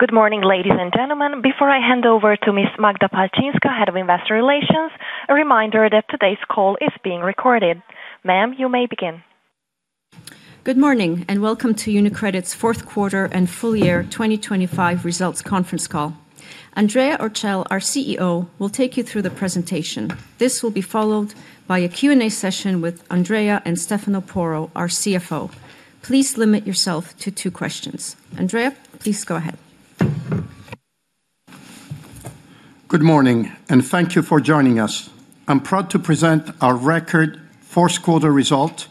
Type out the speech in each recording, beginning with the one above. Good morning, ladies and gentlemen. Before I hand over to Miss Magda Palczynska, Head of Investor Relations, a reminder that today's call is being recorded. Ma'am, you may begin. Good morning, and welcome to UniCredit's Fourth Quarter and Full Year 2025 Results Conference Call. Andrea Orcel, our CEO, will take you through the presentation. This will be followed by a Q&A session with Andrea and Stefano Porro, our CFO. Please limit yourself to two questions. Andrea, please go ahead. Good morning, and thank you for joining us. I'm proud to present our record fourth quarter result,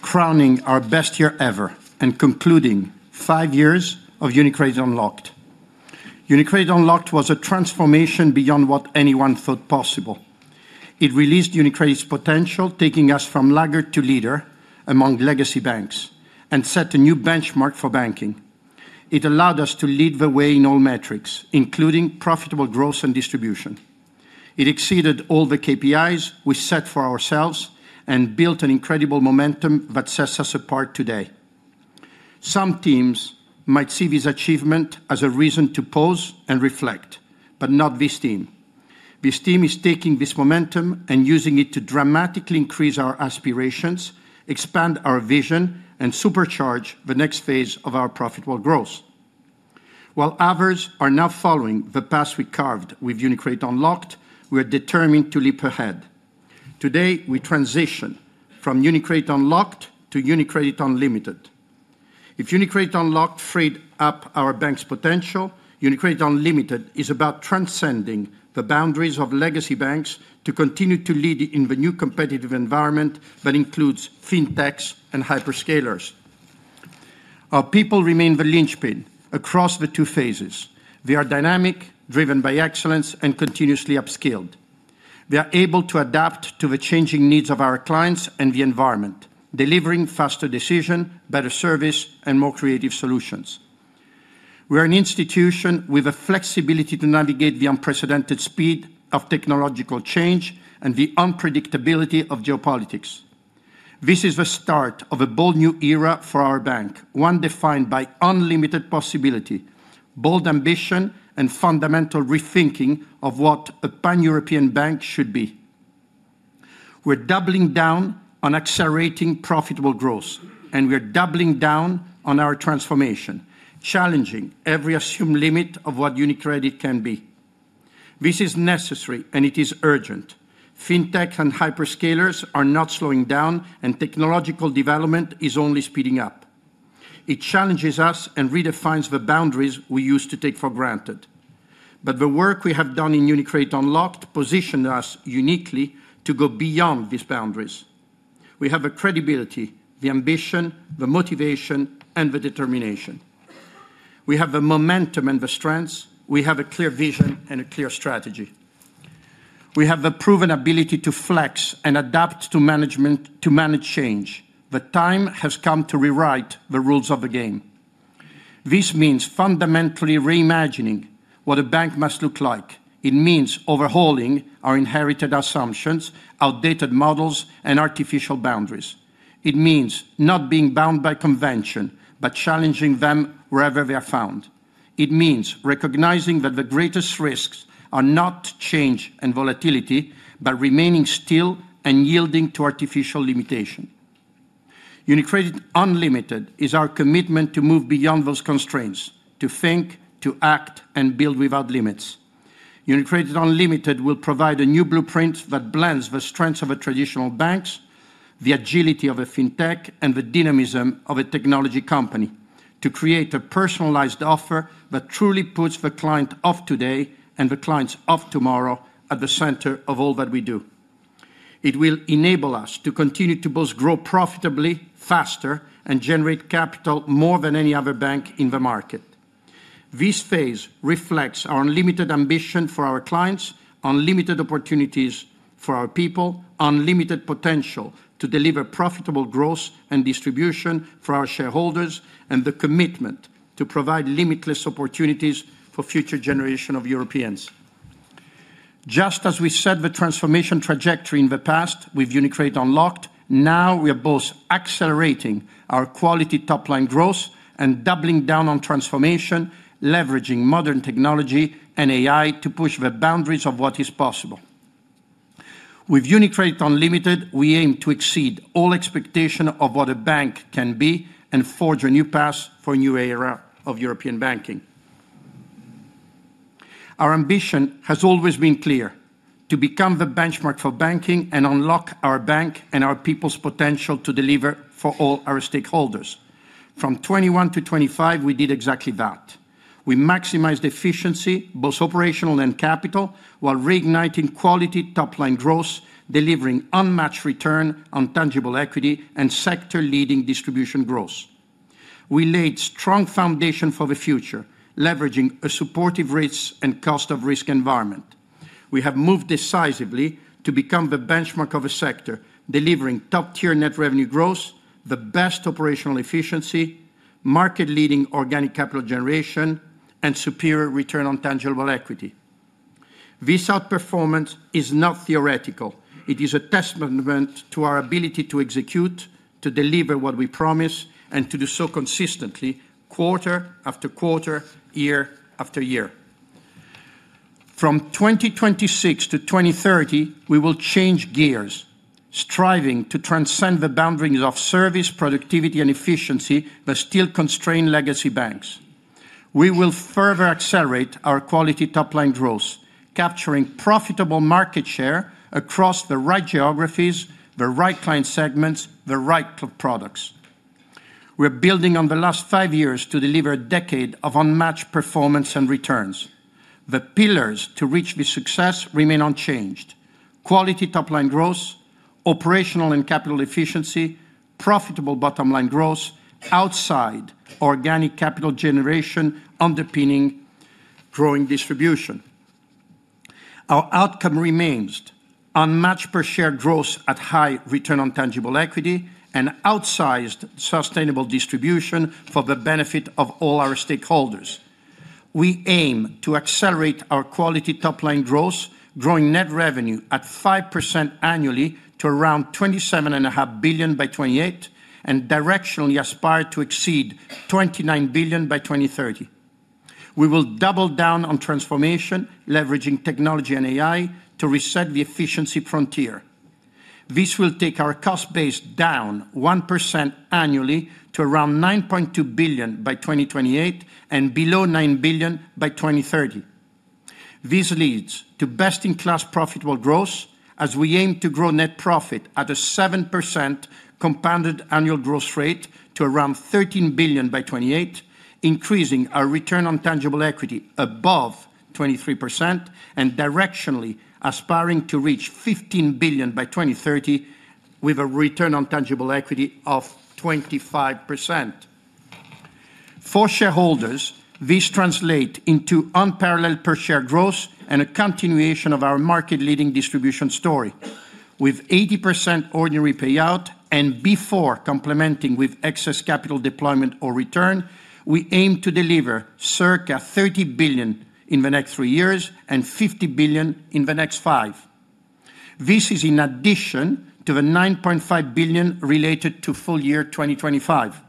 crowning our best year ever and concluding five years of UniCredit Unlocked. UniCredit Unlocked was a transformation beyond what anyone thought possible. It released UniCredit's potential, taking us from laggard to leader among legacy banks, and set a new benchmark for banking. It allowed us to lead the way in all metrics, including profitable growth and distribution. It exceeded all the KPIs we set for ourselves and built an incredible momentum that sets us apart today. Some teams might see this achievement as a reason to pause and reflect, but not this team. This team is taking this momentum and using it to dramatically increase our aspirations, expand our vision, and supercharge the next phase of our profitable growth. While others are now following the path we carved with UniCredit Unlocked, we are determined to leap ahead. Today, we transition from UniCredit Unlocked to UniCredit Unlimited. If UniCredit Unlocked freed up our bank's potential, UniCredit Unlimited is about transcending the boundaries of legacy banks to continue to lead in the new competitive environment that includes fintechs and hyperscalers. Our people remain the linchpin across the two phases. They are dynamic, driven by excellence, and continuously upskilled. They are able to adapt to the changing needs of our clients and the environment, delivering faster decision, better service, and more creative solutions. We are an institution with the flexibility to navigate the unprecedented speed of technological change and the unpredictability of geopolitics. This is the start of a bold new era for our bank, one defined by unlimited possibility, bold ambition, and fundamental rethinking of what a Pan-European bank should be. We're doubling down on accelerating profitable growth, and we are doubling down on our transformation, challenging every assumed limit of what UniCredit can be. This is necessary, and it is urgent. Fintech and hyperscalers are not slowing down, and technological development is only speeding up. It challenges us and redefines the boundaries we used to take for granted. But the work we have done in UniCredit Unlocked positioned us uniquely to go beyond these boundaries. We have the credibility, the ambition, the motivation, and the determination. We have the momentum and the strengths. We have a clear vision and a clear strategy. We have the proven ability to flex and adapt to manage change. The time has come to rewrite the rules of the game. This means fundamentally reimagining what a bank must look like. It means overhauling our inherited assumptions, outdated models, and artificial boundaries. It means not being bound by convention, but challenging them wherever they are found. It means recognizing that the greatest risks are not change and volatility, but remaining still and yielding to artificial limitation. UniCredit Unlimited is our commitment to move beyond those constraints, to think, to act, and build without limits. UniCredit Unlimited will provide a new blueprint that blends the strengths of a traditional bank, the agility of a fintech, and the dynamism of a technology company to create a personalized offer that truly puts the client of today and the clients of tomorrow at the center of all that we do. It will enable us to continue to both grow profitably, faster, and generate capital more than any other bank in the market. This phase reflects our unlimited ambition for our clients, unlimited opportunities for our people, unlimited potential to deliver profitable growth and distribution for our shareholders, and the commitment to provide limitless opportunities for future generation of Europeans. Just as we set the transformation trajectory in the past with UniCredit Unlocked, now we are both accelerating our quality top-line growth and doubling down on transformation, leveraging modern technology and AI to push the boundaries of what is possible. With UniCredit Unlimited, we aim to exceed all expectation of what a bank can be and forge a new path for a new era of European banking. Our ambition has always been clear: to become the benchmark for banking and unlock our bank and our people's potential to deliver for all our stakeholders. From 2021-2025, we did exactly that. We maximized efficiency, both operational and capital, while reigniting quality top-line growth, delivering unmatched return on tangible equity and sector-leading distribution growth. We laid strong foundation for the future, leveraging a supportive rates and cost of risk environment. We have moved decisively to become the benchmark of a sector, delivering top-tier net revenue growth, the best operational efficiency, market-leading organic capital generation, and superior return on tangible equity. This outperformance is not theoretical. It is a testament to our ability to execute, to deliver what we promise, and to do so consistently, quarter after quarter, year after year. From 2026-2030, we will change gears, striving to transcend the boundaries of service, productivity, and efficiency that still constrain legacy banks. We will further accelerate our quality top line growth, capturing profitable market share across the right geographies, the right client segments, the right products. We're building on the last five years to deliver a decade of unmatched performance and returns. The pillars to reach this success remain unchanged: quality top line growth, operational and capital efficiency, profitable bottom line growth, outside organic capital generation underpinning growing distribution. Our outcome remains unmatched per share growth at high return on tangible equity and outsized sustainable distribution for the benefit of all our stakeholders. We aim to accelerate our quality top line growth, growing net revenue at 5% annually to around 27.5 billion by 2028, and directionally aspire to exceed 29 billion by 2030. We will double down on transformation, leveraging technology and AI to reset the efficiency frontier. This will take our cost base down 1% annually to around 9.2 billion by 2028 and below 9 billion by 2030. This leads to best-in-class profitable growth as we aim to grow net profit at a 7% compounded annual growth rate to around 13 billion by 2028, increasing our return on tangible equity above 23% and directionally aspiring to reach 15 billion by 2030, with a return on tangible equity of 25%. For shareholders, this translate into unparalleled per share growth and a continuation of our market-leading distribution story. With 80% ordinary payout and before complementing with excess capital deployment or return, we aim to deliver circa 30 billion in the next three years and 50 billion in the next five. This is in addition to the 9.5 billion related to full year 2025.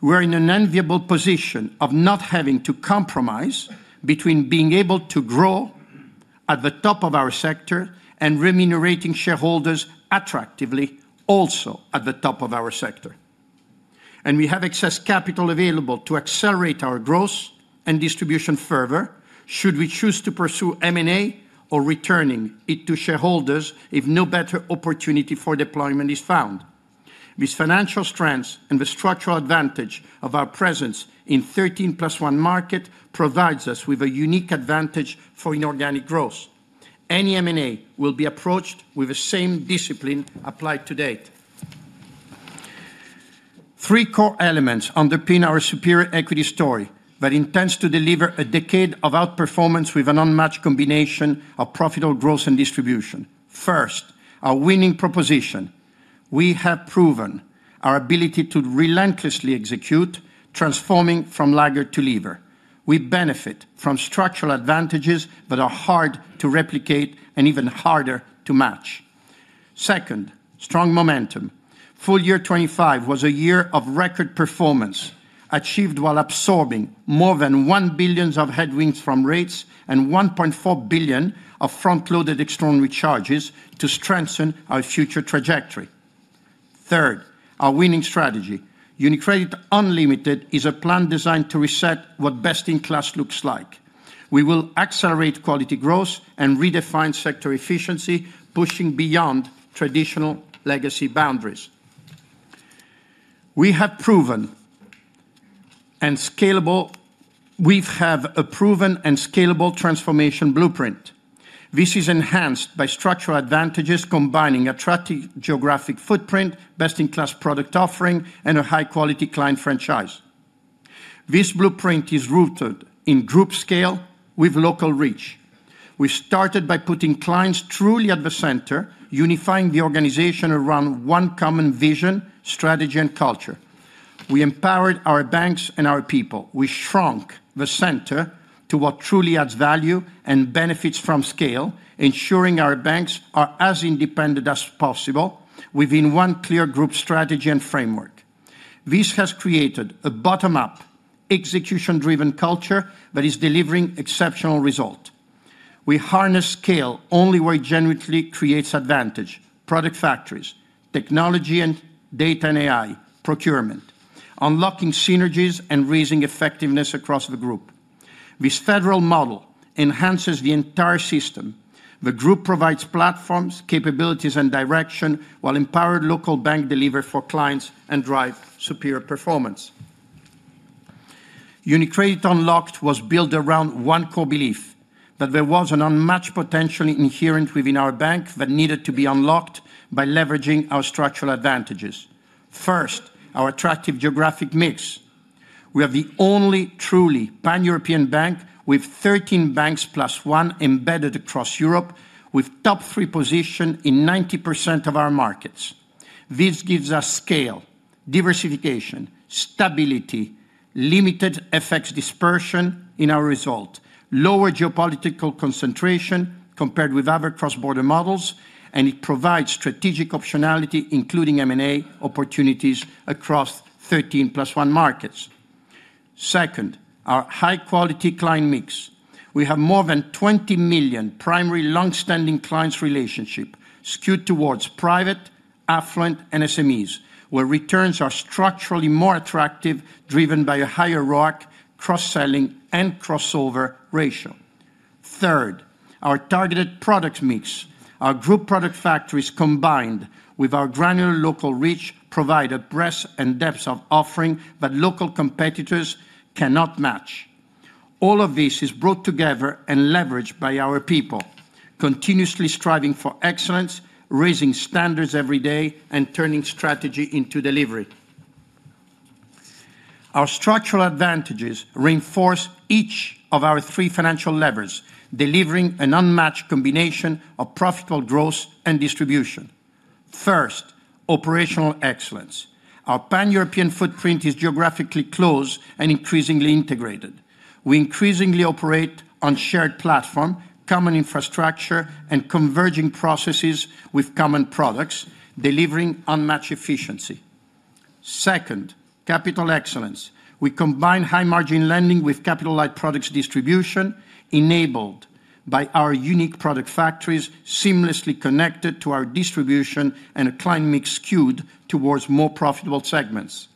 We're in an enviable position of not having to compromise between being able to grow at the top of our sector and remunerating shareholders attractively, also at the top of our sector. We have excess capital available to accelerate our growth and distribution further, should we choose to pursue M&A or returning it to shareholders if no better opportunity for deployment is found. This financial strength and the structural advantage of our presence in 13 + 1 market provides us with a unique advantage for inorganic growth. Any M&A will be approached with the same discipline applied to date. Three core elements underpin our superior equity story, that intends to deliver a decade of outperformance with an unmatched combination of profitable growth and distribution. First, our winning proposition. We have proven our ability to relentlessly execute, transforming from laggard to leader. We benefit from structural advantages that are hard to replicate and even harder to match. Second, strong momentum. Full year 2025 was a year of record performance, achieved while absorbing more than 1 billion of headwinds from rates and 1.4 billion of front-loaded extraordinary charges to strengthen our future trajectory. Third, our winning strategy. UniCredit Unlimited is a plan designed to reset what best-in-class looks like. We will accelerate quality growth and redefine sector efficiency, pushing beyond traditional legacy boundaries. We have a proven and scalable transformation blueprint. This is enhanced by structural advantages, combining attractive geographic footprint, best-in-class product offering, and a high-quality client franchise. This blueprint is rooted in Group scale with local reach. We started by putting clients truly at the center, unifying the organization around one common vision, strategy, and culture. We empowered our banks and our people. We shrunk the center to what truly adds value and benefits from scale, ensuring our banks are as independent as possible within one clear Group strategy and framework. This has created a bottom-up, execution-driven culture that is delivering exceptional result. We harness scale only where it genuinely creates advantage: product factories, technology and data and AI, procurement, unlocking synergies and raising effectiveness across the Group. This federal model enhances the entire system. The Group provides platforms, capabilities, and direction, while empowered local bank deliver for clients and drive superior performance. UniCredit Unlocked was built around one core belief: that there was an unmatched potential inherent within our bank that needed to be unlocked by leveraging our structural advantages. First, our attractive geographic mix. We are the only truly pan-European bank with 13 banks plus one embedded across Europe, with top three position in 90% of our markets. This gives us scale, diversification, stability, limited effects dispersion in our result, lower geopolitical concentration compared with other cross-border models, and it provides strategic optionality, including M&A opportunities across 13 + 1 markets. Second, our high-quality client mix. We have more than 20 million primary long-standing clients relationship skewed towards private, affluent, and SMEs, where returns are structurally more attractive, driven by a higher ROIC, cross-selling, and crossover ratio. Third, our targeted product mix. Our Group product factories, combined with our granular local reach, provide a breadth and depth of offering that local competitors cannot match. All of this is brought together and leveraged by our people, continuously striving for excellence, raising standards every day, and turning strategy into delivery. Our structural advantages reinforce each of our three financial levers, delivering an unmatched combination of profitable growth and distribution. First, operational excellence. Our pan-European footprint is geographically close and increasingly integrated. We increasingly operate on shared platform, common infrastructure, and converging processes with common products, delivering unmatched efficiency. Second, capital excellence. We combine high-margin lending with capital-light products distribution, enabled by our unique product factories seamlessly connected to our distribution and a client mix skewed towards more profitable segments.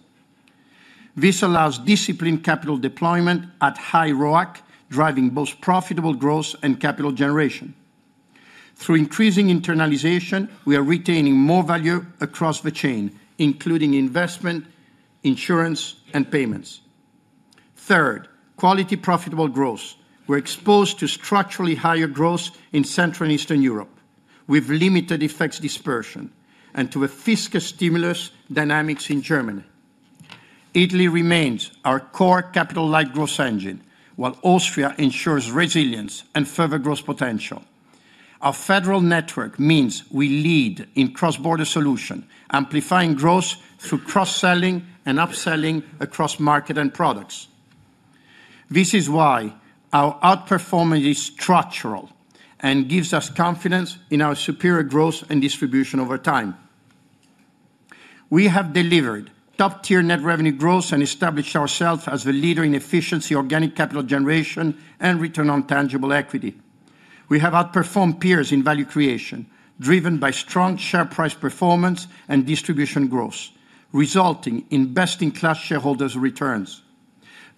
This allows disciplined capital deployment at high ROIC, driving both profitable growth and capital generation. Through increasing internalization, we are retaining more value across the chain, including investment, insurance, and payments. Third, quality profitable growth. We're exposed to structurally higher growth in Central and Eastern Europe, with limited effects dispersion, and to a fiscal stimulus dynamics in Germany. Italy remains our core capital-light growth engine, while Austria ensures resilience and further growth potential. Our federal network means we lead in cross-border solution, amplifying growth through cross-selling and upselling across market and products. This is why our outperformance is structural and gives us confidence in our superior growth and distribution over time. We have delivered top-tier net revenue growth and established ourselves as the leader in efficiency, organic capital generation, and return on tangible equity. We have outperformed peers in value creation, driven by strong share price performance and distribution growth, resulting in best-in-class shareholders' returns.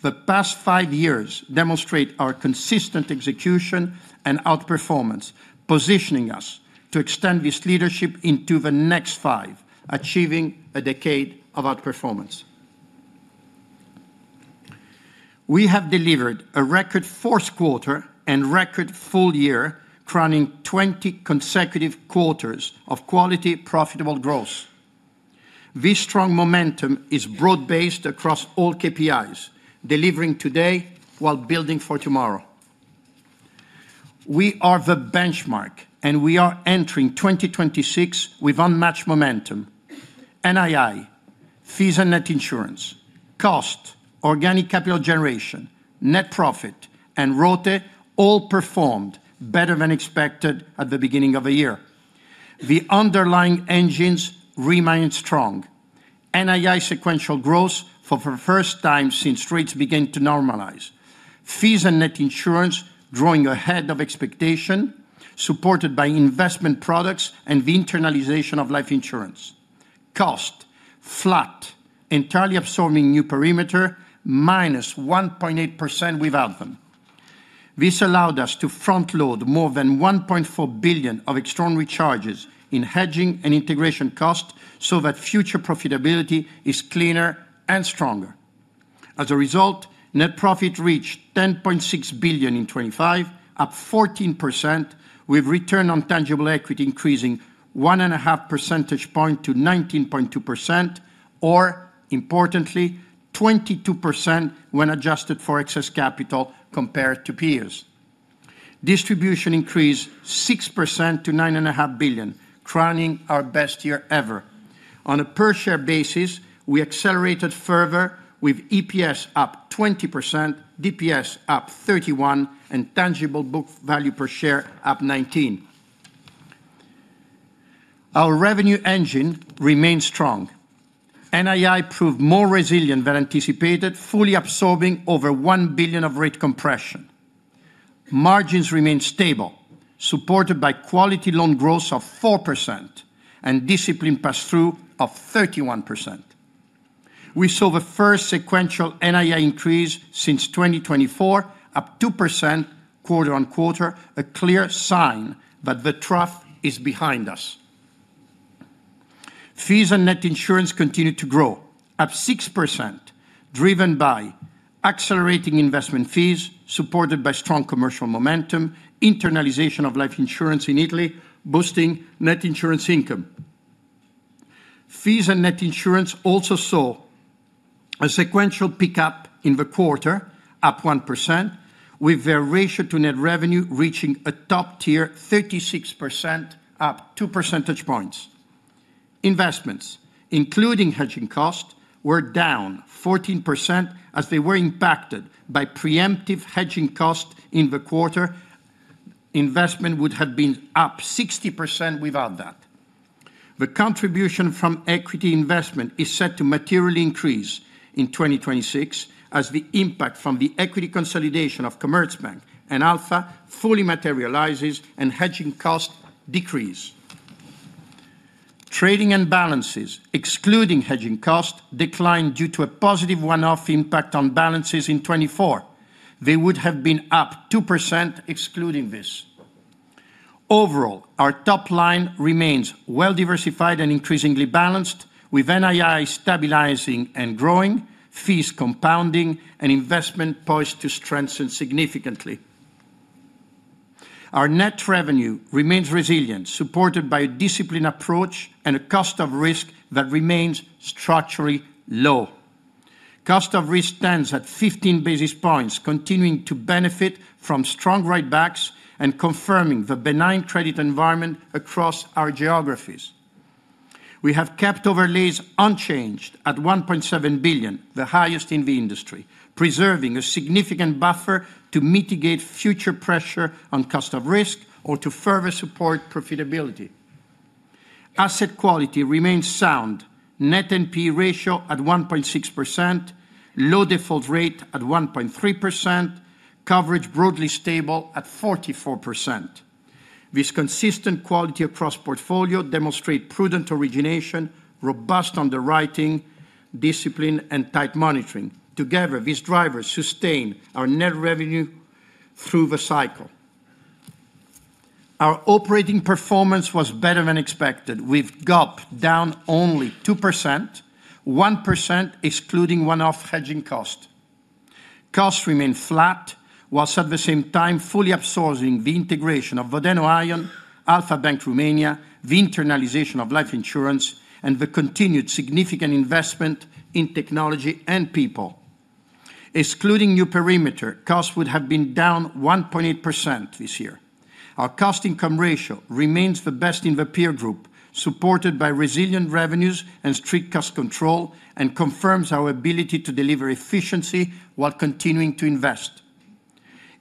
The past five years demonstrate our consistent execution and outperformance, positioning us to extend this leadership into the next five, achieving a decade of outperformance. We have delivered a record fourth quarter and record full year, crowning 20 consecutive quarters of quality, profitable growth. This strong momentum is broad-based across all KPIs, delivering today while building for tomorrow. We are the benchmark, and we are entering 2026 with unmatched momentum. NII, fees and net insurance, cost, organic capital generation, net profit, and ROTE all performed better than expected at the beginning of the year. The underlying engines remain strong. NII sequential growth for the first time since rates began to normalize. Fees and net insurance growing ahead of expectation, supported by investment products and the internalization of life insurance. Cost, flat, entirely absorbing new perimeter, -1.8% without them. This allowed us to front-load more than 1.4 billion of extraordinary charges in hedging and integration costs so that future profitability is cleaner and stronger. As a result, net profit reached 10.6 billion in 2025, up 14%, with return on tangible equity increasing 1.5 percentage points to 19.2%, or importantly, 22% when adjusted for excess capital compared to peers. Distribution increased 6% to 9.5 billion, crowning our best year ever. On a per-share basis, we accelerated further with EPS up 20%, DPS up 31%, and tangible book value per share up 19%. Our revenue engine remains strong. NII proved more resilient than anticipated, fully absorbing over 1 billion of rate compression. Margins remained stable, supported by quality loan growth of 4% and discipline pass-through of 31%. We saw the first sequential NII increase since 2024, up 2% quarter-over-quarter, a clear sign that the trough is behind us. Fees and net insurance continued to grow, up 6%, driven by accelerating investment fees, supported by strong commercial momentum, internalization of life insurance in Italy, boosting net insurance income. Fees and net insurance also saw a sequential pickup in the quarter, up 1%, with their ratio to net revenue reaching a top-tier 36%, up two percentage points. Investments, including hedging costs, were down 14% as they were impacted by preemptive hedging costs in the quarter. Investment would have been up 60% without that. The contribution from equity investment is set to materially increase in 2026, as the impact from the equity consolidation of Commerzbank and Alpha fully materializes and hedging costs decrease. Trading and balances, excluding hedging costs, declined due to a positive one-off impact on balances in 2024. They would have been up 2% excluding this. Overall, our top line remains well-diversified and increasingly balanced, with NII stabilizing and growing, fees compounding, and investment poised to strengthen significantly. Our net revenue remains resilient, supported by a disciplined approach and a cost of risk that remains structurally low. Cost of risk stands at 15 basis points, continuing to benefit from strong write-backs and confirming the benign credit environment across our geographies. We have kept overlays unchanged at 1.7 billion, the highest in the industry, preserving a significant buffer to mitigate future pressure on cost of risk or to further support profitability. Asset quality remains sound: net NPE ratio at 1.6%, low default rate at 1.3%, coverage broadly stable at 44%. This consistent quality across portfolio demonstrate prudent origination, robust underwriting, discipline, and tight monitoring. Together, these drivers sustain our net revenue through the cycle. Our operating performance was better than expected, with GOP down only 2%, 1% excluding one-off hedging cost. Costs remain flat, while at the same time fully absorbing the integration of Vodeno, Aion, Alpha Bank Romania, the internalization of life insurance, and the continued significant investment in technology and people. Excluding new perimeter, costs would have been down 1.8% this year. Our cost income ratio remains the best in the peer Group, supported by resilient revenues and strict cost control, and confirms our ability to deliver efficiency while continuing to invest.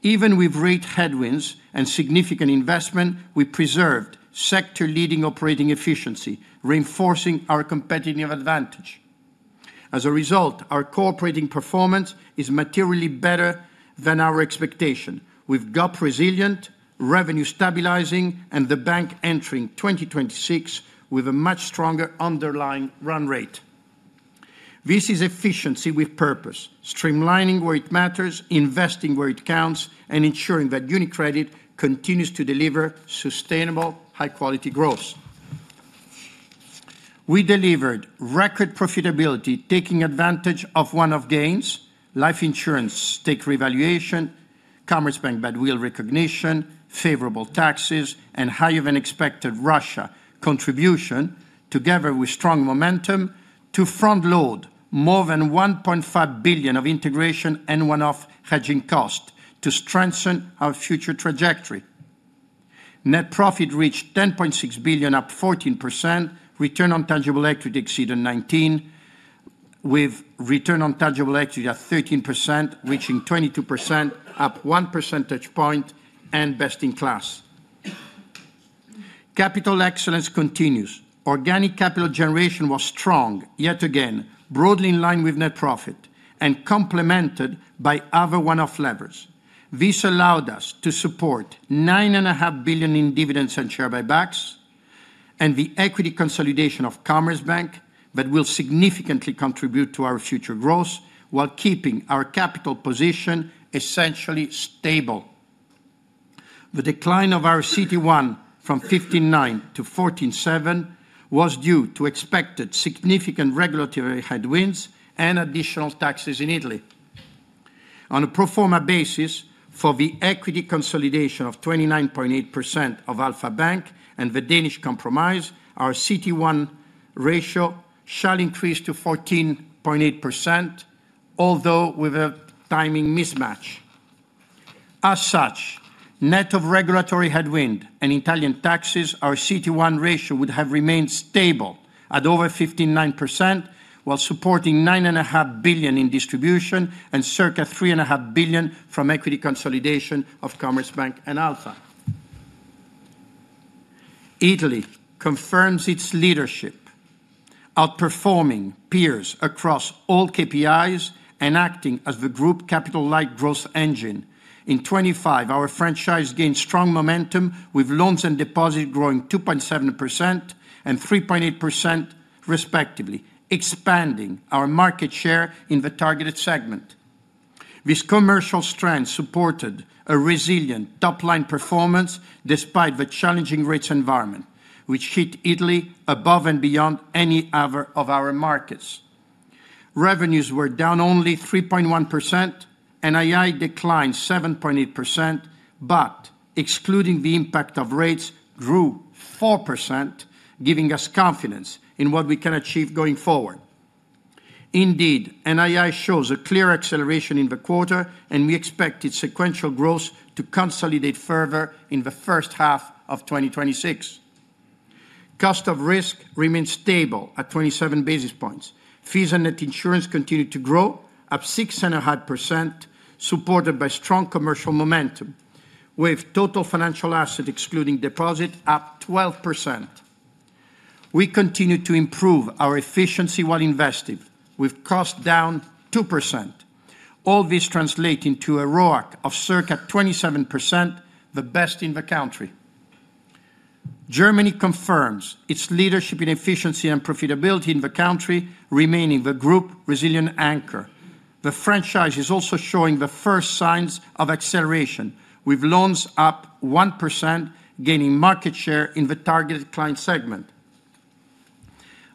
Even with rate headwinds and significant investment, we preserved sector-leading operating efficiency, reinforcing our competitive advantage. As a result, our core operating performance is materially better than our expectation, with GOP resilient, revenue stabilizing, and the bank entering 2026 with a much stronger underlying run rate. This is efficiency with purpose, streamlining where it matters, investing where it counts, and ensuring that UniCredit continues to deliver sustainable, high-quality growth. We delivered record profitability, taking advantage of one-off gains, life insurance stake revaluation, Commerzbank badwill recognition, favorable taxes, and higher-than-expected Russia contribution, together with strong momentum to front-load more than 1.5 billion of integration and one-off hedging costs to strengthen our future trajectory. Net profit reached 10.6 billion, up 14%. Return on tangible equity exceeded 19%, with return on tangible equity at 13%, reaching 22%, up 1 percentage point and best in class. Capital excellence continues. Organic capital generation was strong, yet again, broadly in line with net profit and complemented by other one-off levers. This allowed us to support 9.5 billion in dividends and share buybacks, and the equity consolidation of Commerzbank, that will significantly contribute to our future growth while keeping our capital position essentially stable. The decline of our CET1 from 59 to 47 was due to expected significant regulatory headwinds and additional taxes in Italy. On a pro forma basis, for the equity consolidation of 29.8% of Alpha Bank and the Danish Compromise, our CET1 ratio shall increase to 14.8%, although with a timing mismatch. As such, net of regulatory headwind and Italian taxes, our CET1 ratio would have remained stable at over 59%, while supporting 9.5 billion in distribution and circa 3.5 billion from equity consolidation of Commerzbank and Alpha. Italy confirms its leadership, outperforming peers across all KPIs and acting as the Group capital light growth engine. In 2025, our franchise gained strong momentum, with loans and deposits growing 2.7% and 3.8% respectively, expanding our market share in the targeted segment. This commercial strength supported a resilient top-line performance despite the challenging rates environment, which hit Italy above and beyond any other of our markets. Revenues were down only 3.1%, NII declined 7.8%, but excluding the impact of rates, grew 4%, giving us confidence in what we can achieve going forward. Indeed, NII shows a clear acceleration in the quarter, and we expect its sequential growth to consolidate further in the first half of 2026. Cost of risk remains stable at 27 basis points. Fees and net insurance continued to grow, up 6.5%, supported by strong commercial momentum, with total financial assets, excluding deposit, up 12%. We continue to improve our efficiency while investing, with cost down 2%. All this translate into a ROAC of circa 27%, the best in the country. Germany confirms its leadership in efficiency and profitability in the country, remaining the Group resilient anchor. The franchise is also showing the first signs of acceleration, with loans up 1%, gaining market share in the targeted client segment.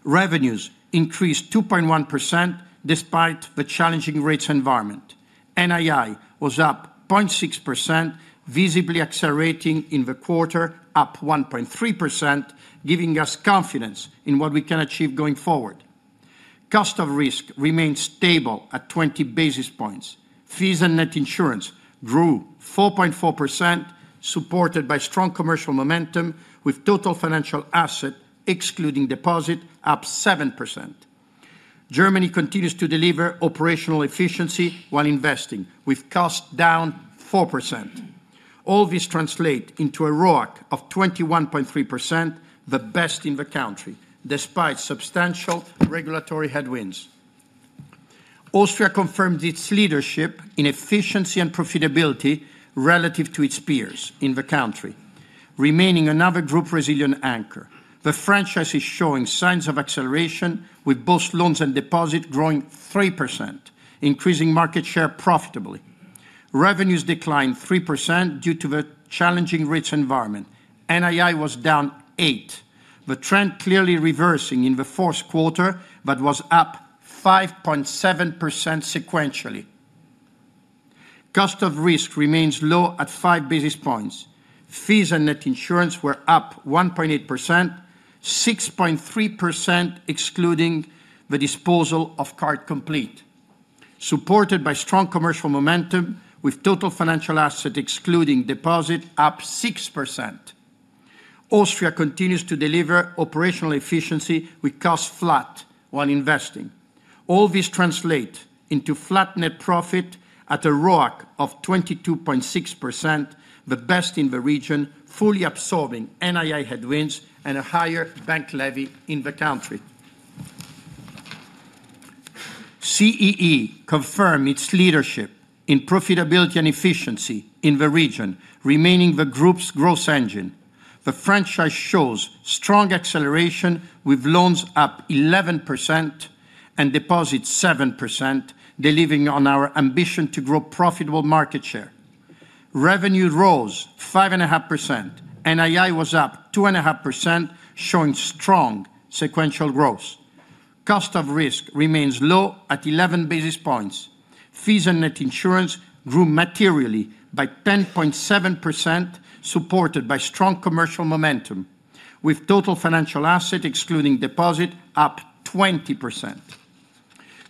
Revenues increased 2.1% despite the challenging rates environment. NII was up 0.6%, visibly accelerating in the quarter, up 1.3%, giving us confidence in what we can achieve going forward. Cost of risk remains stable at 20 basis points. Fees and net insurance grew 4.4%, supported by strong commercial momentum, with total financial asset, excluding deposit, up 7%. Germany continues to deliver operational efficiency while investing, with cost down 4%. All this translate into a ROAC of 21.3%, the best in the country, despite substantial regulatory headwinds. Austria confirmed its leadership in efficiency and profitability relative to its peers in the country, remaining another Group resilient anchor. The franchise is showing signs of acceleration, with both loans and deposits growing 3%, increasing market share profitably. Revenues declined 3% due to the challenging rates environment. NII was down 8%, the trend clearly reversing in the fourth quarter, but was up 5.7% sequentially. Cost of risk remains low at five basis points. Fees and net insurance were up 1.8%, 6.3% excluding the disposal of Card Complete, supported by strong commercial momentum, with total financial assets, excluding deposit, up 6%. Austria continues to deliver operational efficiency with cost flat while investing. All this translate into flat net profit at a ROAC of 22.6%, the best in the region, fully absorbing NII headwinds and a higher bank levy in the country. CEE confirm its leadership in profitability and efficiency in the region, remaining the Group's growth engine. The franchise shows strong acceleration, with loans up 11% and deposits 7%, delivering on our ambition to grow profitable market share. Revenue rose 5.5%. NII was up 2.5%, showing strong sequential growth. Cost of risk remains low at 11 basis points. Fees and net insurance grew materially by 10.7%, supported by strong commercial momentum, with total financial assets, excluding deposit, up 20%.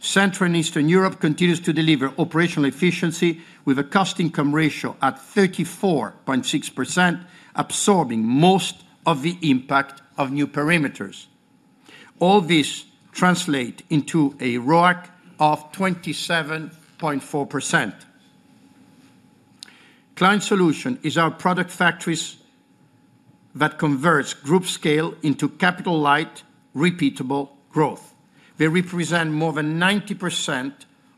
Central and Eastern Europe continues to deliver operational efficiency with a cost-income ratio at 34.6%, absorbing most of the impact of new perimeters. All this translates into a ROAC of 27.4%. Client Solutions is our product factories that converts Group scale into capital-light, repeatable growth. They represent more than 90%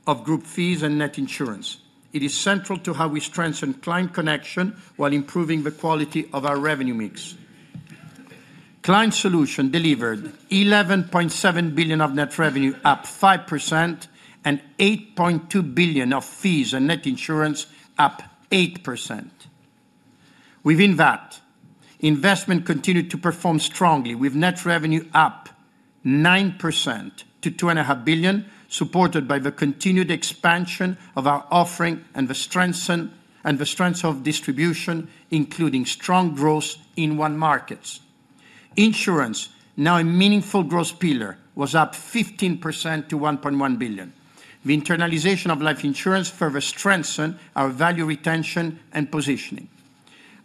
of Group fees and net insurance. It is central to how we strengthen client connection while improving the quality of our revenue mix. Client Solutions delivered 11.7 billion of net revenue, up 5%, and 8.2 billion of fees and net insurance, up 8%. Within that, investment continued to perform strongly, with net revenue up 9% to 2.5 billion, supported by the continued expansion of our offering and the strength of distribution, including strong growth in onemarkets. Insurance, now a meaningful growth pillar, was up 15% to 1.1 billion. The internalization of life insurance further strengthens our value retention and positioning.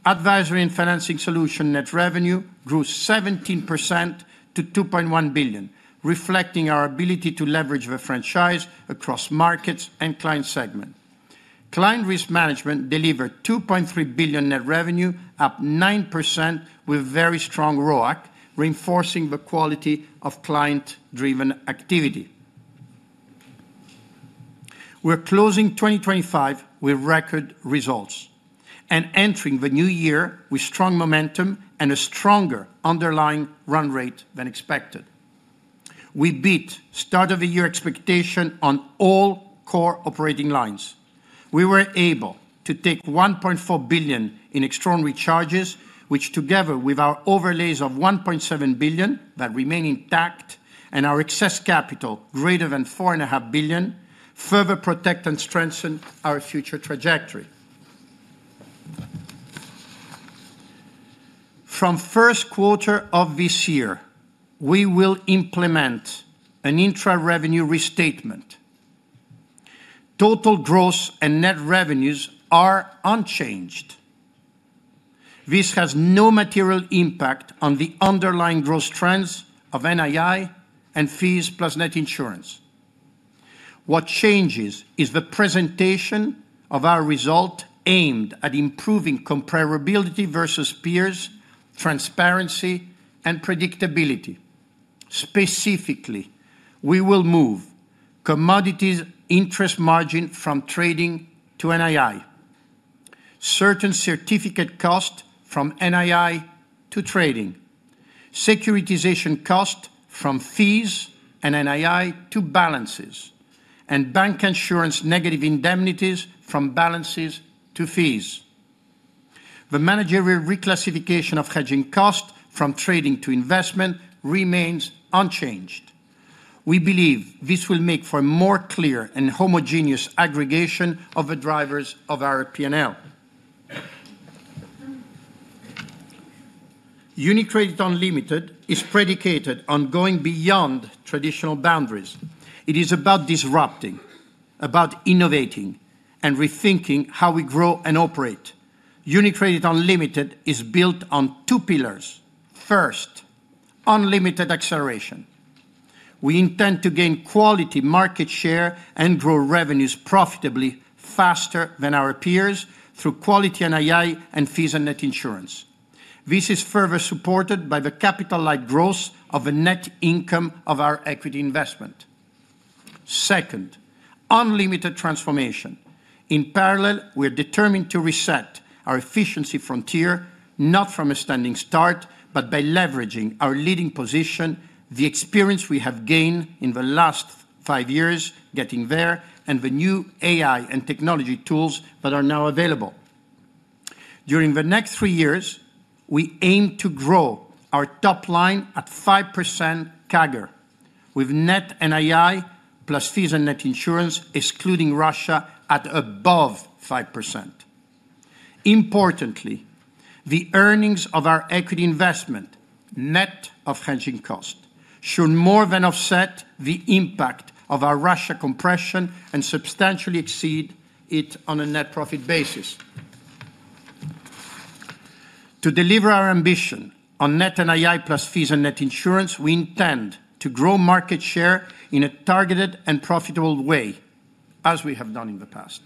Advisory and Financing Solutions net revenue grew 17% to 2.1 billion, reflecting our ability to leverage the franchise across markets and client segment. Client Risk Management delivered 2.3 billion net revenue, up 9%, with very strong ROAC, reinforcing the quality of client-driven activity. We're closing 2025 with record results and entering the new year with strong momentum and a stronger underlying run rate than expected. We beat start of the year expectation on all core operating lines. We were able to take 1.4 billion in extraordinary charges, which together with our overlays of 1.7 billion that remain intact and our excess capital greater than 4.5 billion, further protect and strengthen our future trajectory. From first quarter of this year, we will implement an intra-revenue restatement. Total gross and net revenues are unchanged. This has no material impact on the underlying growth trends of NII and fees plus net insurance. What changes is the presentation of our result aimed at improving comparability versus peers, transparency, and predictability. Specifically, we will move commodities interest margin from trading to NII, certain certificate cost from NII to trading, securitization cost from fees and NII to balances, and bank insurance negative indemnities from balances to fees. The managerial reclassification of hedging cost from trading to investment remains unchanged. We believe this will make for a more clear and homogeneous aggregation of the drivers of our P&L. UniCredit Unlimited is predicated on going beyond traditional boundaries. It is about disrupting, about innovating, and rethinking how we grow and operate. UniCredit Unlimited is built on two pillars. First, unlimited acceleration. We intend to gain quality, market share, and grow revenues profitably faster than our peers through quality NII and fees and net insurance. This is further supported by the capital-like growth of the net income of our equity investment. Second, unlimited transformation. In parallel, we are determined to reset our efficiency frontier, not from a standing start, but by leveraging our leading position, the experience we have gained in the last five years getting there, and the new AI and technology tools that are now available. During the next three years, we aim to grow our top line at 5% CAGR, with net NII plus fees and net insurance, excluding Russia, at above 5%. Importantly, the earnings of our equity investment, net of hedging cost, should more than offset the impact of our Russia compression and substantially exceed it on a net profit basis. To deliver our ambition on net NII plus fees and net insurance, we intend to grow market share in a targeted and profitable way, as we have done in the past.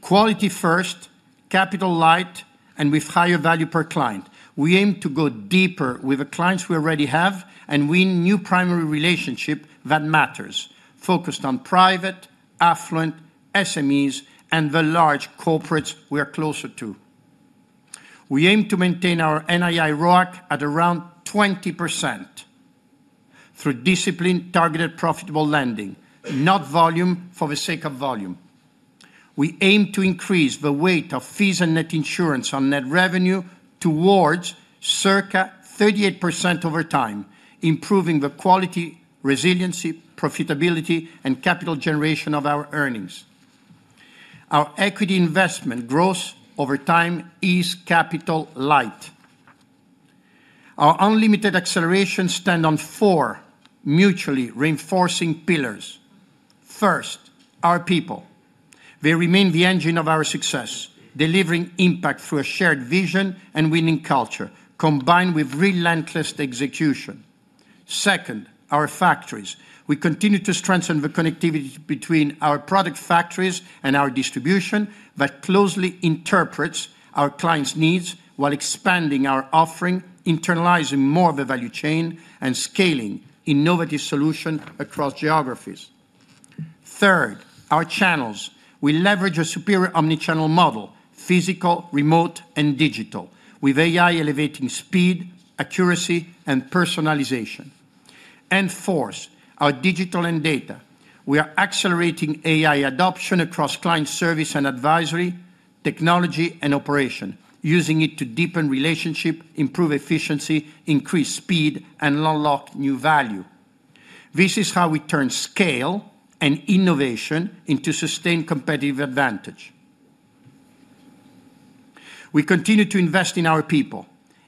Quality first, capital light, and with higher value per client. We aim to go deeper with the clients we already have, and win new primary relationship that matters, focused on private, affluent, SMEs, and the large corporates we are closer to. We aim to maintain our NII ROIC at around 20% through disciplined, targeted, profitable lending, not volume for the sake of volume. We aim to increase the weight of fees and net insurance on net revenue towards circa 38% over time, improving the quality, resiliency, profitability, and capital generation of our earnings. Our equity investment growth over time is capital light. Our unlimited acceleration stand on four mutually reinforcing pillars. First, our people. They remain the engine of our success, delivering impact through a shared vision and winning culture, combined with relentless execution. Second, our factories. We continue to strengthen the connectivity between our product factories and our distribution that closely interprets our clients' needs while expanding our offering, internalizing more of the value chain, and scaling innovative solution across geographies. Third, our channels. We leverage a superior omni-channel model: physical, remote, and digital, with AI elevating speed, accuracy, and personalization. And fourth, our digital and data. We are accelerating AI adoption across client service and advisory, technology, and operation, using it to deepen relationship, improve efficiency, increase speed, and unlock new value. This is how we turn scale and innovation into sustained competitive advantage. We continue to invest in our people,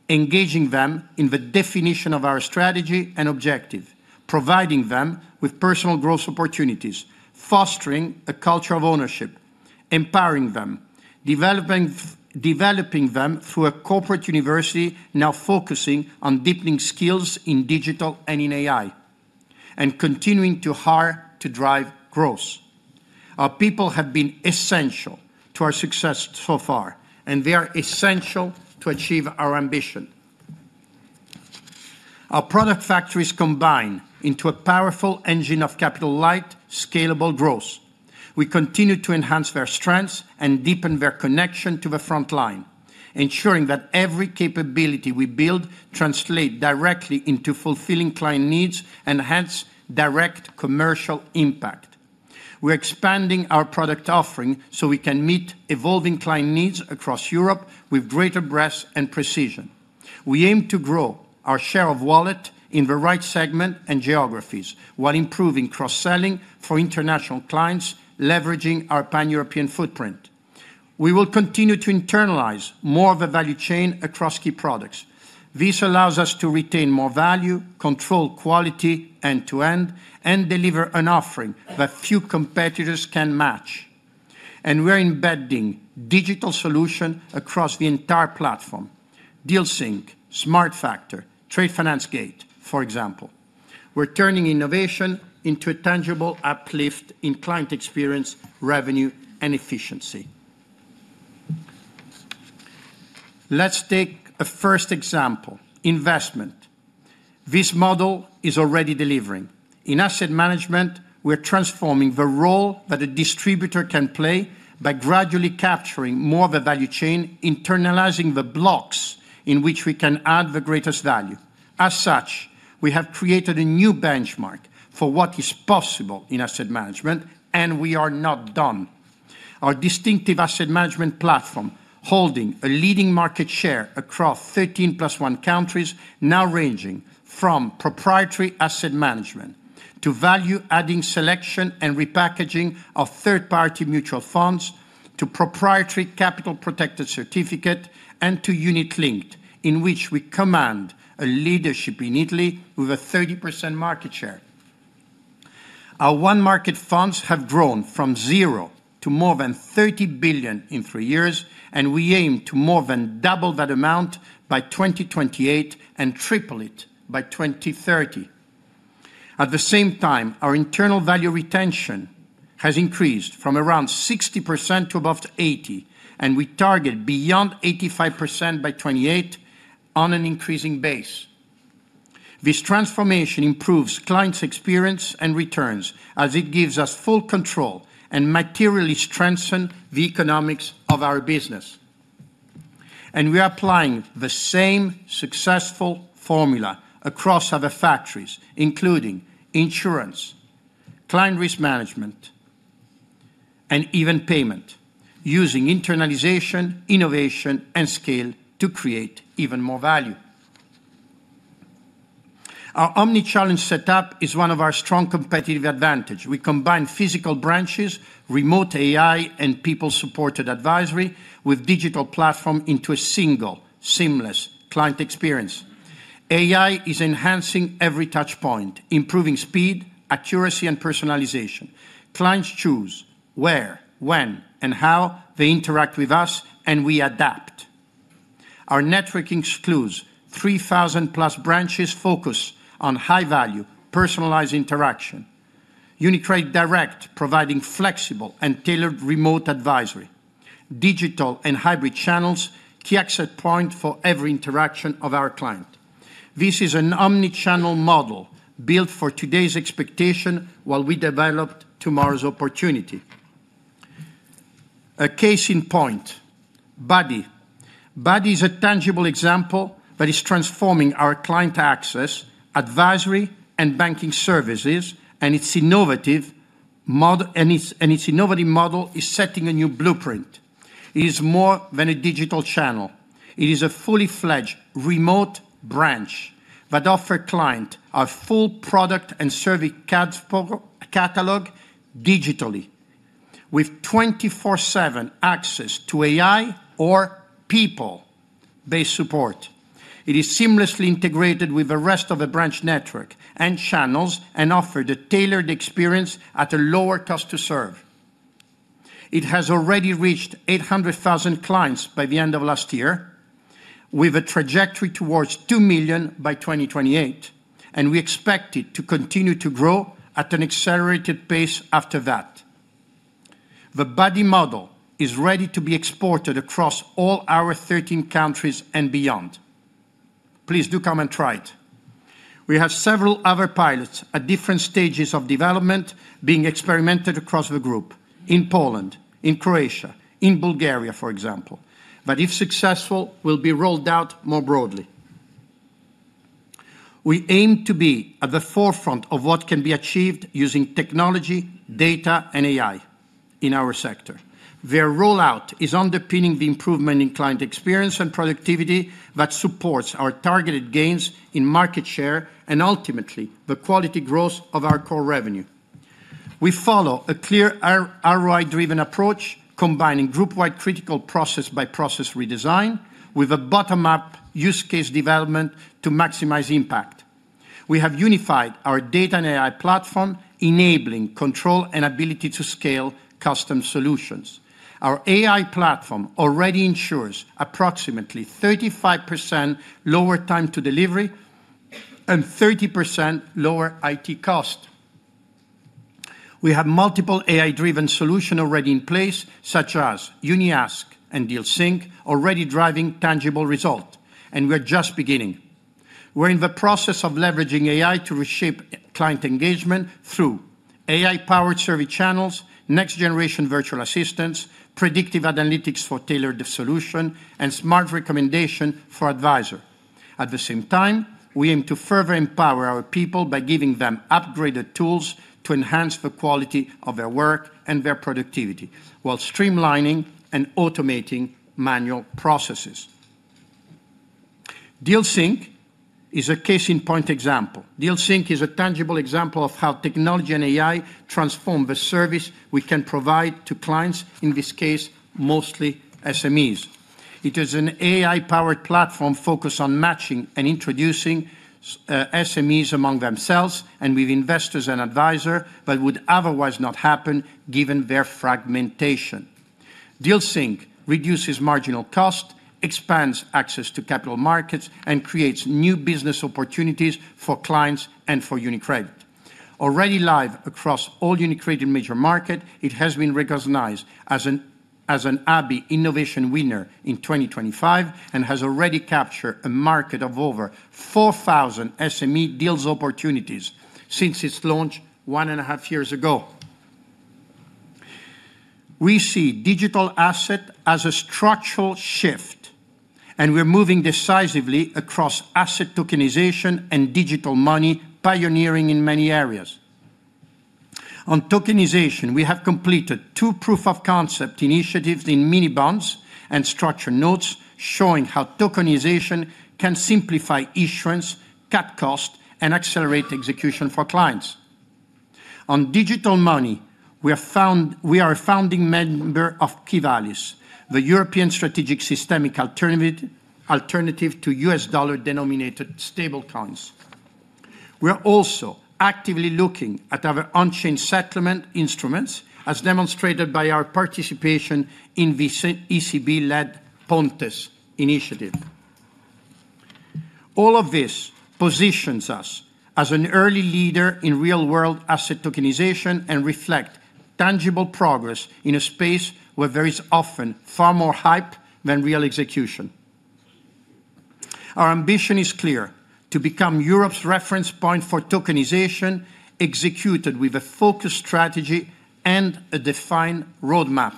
engaging them in the definition of our strategy and objective, providing them with personal growth opportunities, fostering a culture of ownership, empowering them, developing, developing them through a corporate university now focusing on deepening skills in digital and in AI, and continuing to hire to drive growth. Our people have been essential to our success so far, and they are essential to achieve our ambition. Our product factories combine into a powerful engine of capital light, scalable growth. We continue to enhance their strengths and deepen their connection to the front line, ensuring that every capability we build translate directly into fulfilling client needs and hence, direct commercial impact.... We're expanding our product offering so we can meet evolving client needs across Europe with greater breadth and precision. We aim to grow our share of wallet in the right segment and geographies, while improving cross-selling for international clients, leveraging our pan-European footprint. We will continue to internalize more of the value chain across key products. This allows us to retain more value, control quality end-to-end, and deliver an offering that few competitors can match. We're embedding digital solution across the entire platform: DealSync, Smart Factor, Trade Finance Gate, for example. We're turning innovation into a tangible uplift in client experience, revenue, and efficiency. Let's take a first example: investment. This model is already delivering. In asset management, we're transforming the role that a distributor can play by gradually capturing more of the value chain, internalizing the blocks in which we can add the greatest value. As such, we have created a new benchmark for what is possible in asset management, and we are not done. Our distinctive asset management platform, holding a leading market share across 13 + 1 countries, now ranging from proprietary asset management to value-adding selection and repackaging of third-party mutual funds, to proprietary capital-protected certificate, and to unit linked, in which we command a leadership in Italy with a 30% market share. Our onemarkets funds have grown from zero to more than 30 billion in three years, and we aim to more than double that amount by 2028 and triple it by 2030. At the same time, our internal value retention has increased from around 60% to above 80, and we target beyond 85% by 2028 on an increasing base. This transformation improves clients' experience and returns, as it gives us full control and materially strengthen the economics of our business. We are applying the same successful formula across other facets, including insurance, Client Risk Management, and even payments, using internalization, innovation, and scale to create even more value. Our omnichannel setup is one of our strong competitive advantage. We combine physical branches, remote AI, and people-supported advisory with digital platform into a single seamless client experience. AI is enhancing every touch point, improving speed, accuracy, and personalization. Clients choose where, when, and how they interact with us, and we adapt. Our network includes 3,000+ branches, focus on high-value, personalized interaction. UniCredit Direct, providing flexible and tailored remote advisory. Digital and hybrid channels, key access point for every interaction of our client. This is an omnichannel model built for today's expectation while we develop tomorrow's opportunity. A case in point, Buddy. Buddy is a tangible example that is transforming our client access, advisory, and banking services, and its innovative model is setting a new blueprint. It is more than a digital channel. It is a fully fledged remote branch that offer client a full product and service catalog digitally, with 24/7 access to AI or people-based support. It is seamlessly integrated with the rest of the branch network and channels and offer the tailored experience at a lower cost to serve. It has already reached 800,000 clients by the end of last year, with a trajectory towards 2 million by 2028, and we expect it to continue to grow at an accelerated pace after that. The Buddy model is ready to be exported across all our 13 countries and beyond. Please do come and try it. We have several other pilots at different stages of development being experimented across the Group, in Poland, in Croatia, in Bulgaria, for example, but if successful, will be rolled out more broadly. We aim to be at the forefront of what can be achieved using technology, data, and AI in our sector. Their rollout is underpinning the improvement in client experience and productivity that supports our targeted gains in market share and ultimately the quality growth of our core revenue. We follow a clear ROI-driven approach, combining Group-wide critical process-by-process redesign with a bottom-up use case development to maximize impact. We have unified our data and AI platform, enabling control and ability to scale custom solutions. Our AI platform already ensures approximately 35% lower time to delivery and 30% lower IT cost. We have multiple AI-driven solutions already in place, such as UniAsk and DealSync, already driving tangible results, and we're just beginning. We're in the process of leveraging AI to reshape client engagement through AI-powered service channels, next-generation virtual assistants, predictive analytics for tailored solutions, and smart recommendations for advisors... At the same time, we aim to further empower our people by giving them upgraded tools to enhance the quality of their work and their productivity, while streamlining and automating manual processes. DealSync is a case-in-point example. DealSync is a tangible example of how technology and AI transform the service we can provide to clients, in this case, mostly SMEs. It is an AI-powered platform focused on matching and introducing SMEs among themselves and with investors and advisors, but would otherwise not happen given their fragmentation. DealSync reduces marginal cost, expands access to capital markets, and creates new business opportunities for clients and for UniCredit. Already live across all UniCredit major market, it has been recognized as an ABI Innovation winner in 2025, and has already captured a market of over 4,000 SME deals opportunities since its launch one and a half years ago. We see digital asset as a structural shift, and we're moving decisively across asset tokenization and digital money, pioneering in many areas. On tokenization, we have completed two proof of concept initiatives in mini-bonds and structured notes, showing how tokenization can simplify issuance, cut cost, and accelerate execution for clients. On digital money, we are a founding member of Qivalis, the European Strategic Systemic Alternative to U.S. dollar-denominated stable coins. We're also actively looking at our on-chain settlement instruments, as demonstrated by our participation in the ECB-led Pontes initiative. All of this positions us as an early leader in real-world asset tokenization and reflect tangible progress in a space where there is often far more hype than real execution. Our ambition is clear: to become Europe's reference point for tokenization, executed with a focused strategy and a defined roadmap.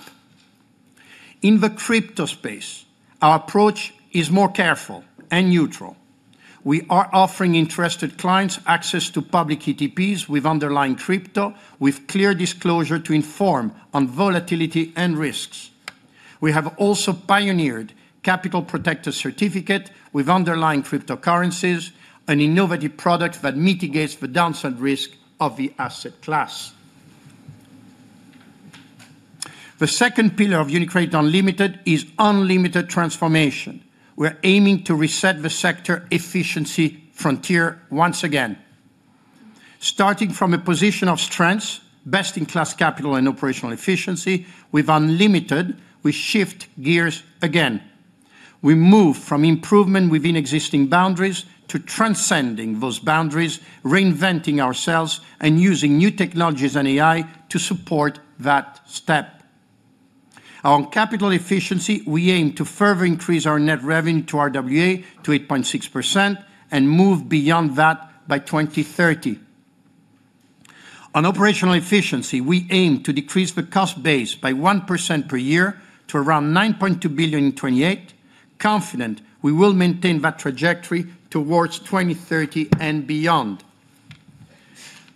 In the crypto space, our approach is more careful and neutral. We are offering interested clients access to public ETPs with underlying crypto, with clear disclosure to inform on volatility and risks. We have also pioneered capital protector certificate with underlying cryptocurrencies, an innovative product that mitigates the downside risk of the asset class. The second pillar of UniCredit Unlimited is unlimited transformation. We're aiming to reset the sector efficiency frontier once again. Starting from a position of strengths, best-in-class capital and operational efficiency, with Unlimited, we shift gears again. We move from improvement within existing boundaries to transcending those boundaries, reinventing ourselves, and using new technologies and AI to support that step. On capital efficiency, we aim to further increase our net revenue to our RWA to 8.6% and move beyond that by 2030. On operational efficiency, we aim to decrease the cost base by 1% per year to around 9.2 billion in 2028, confident we will maintain that trajectory towards 2030 and beyond.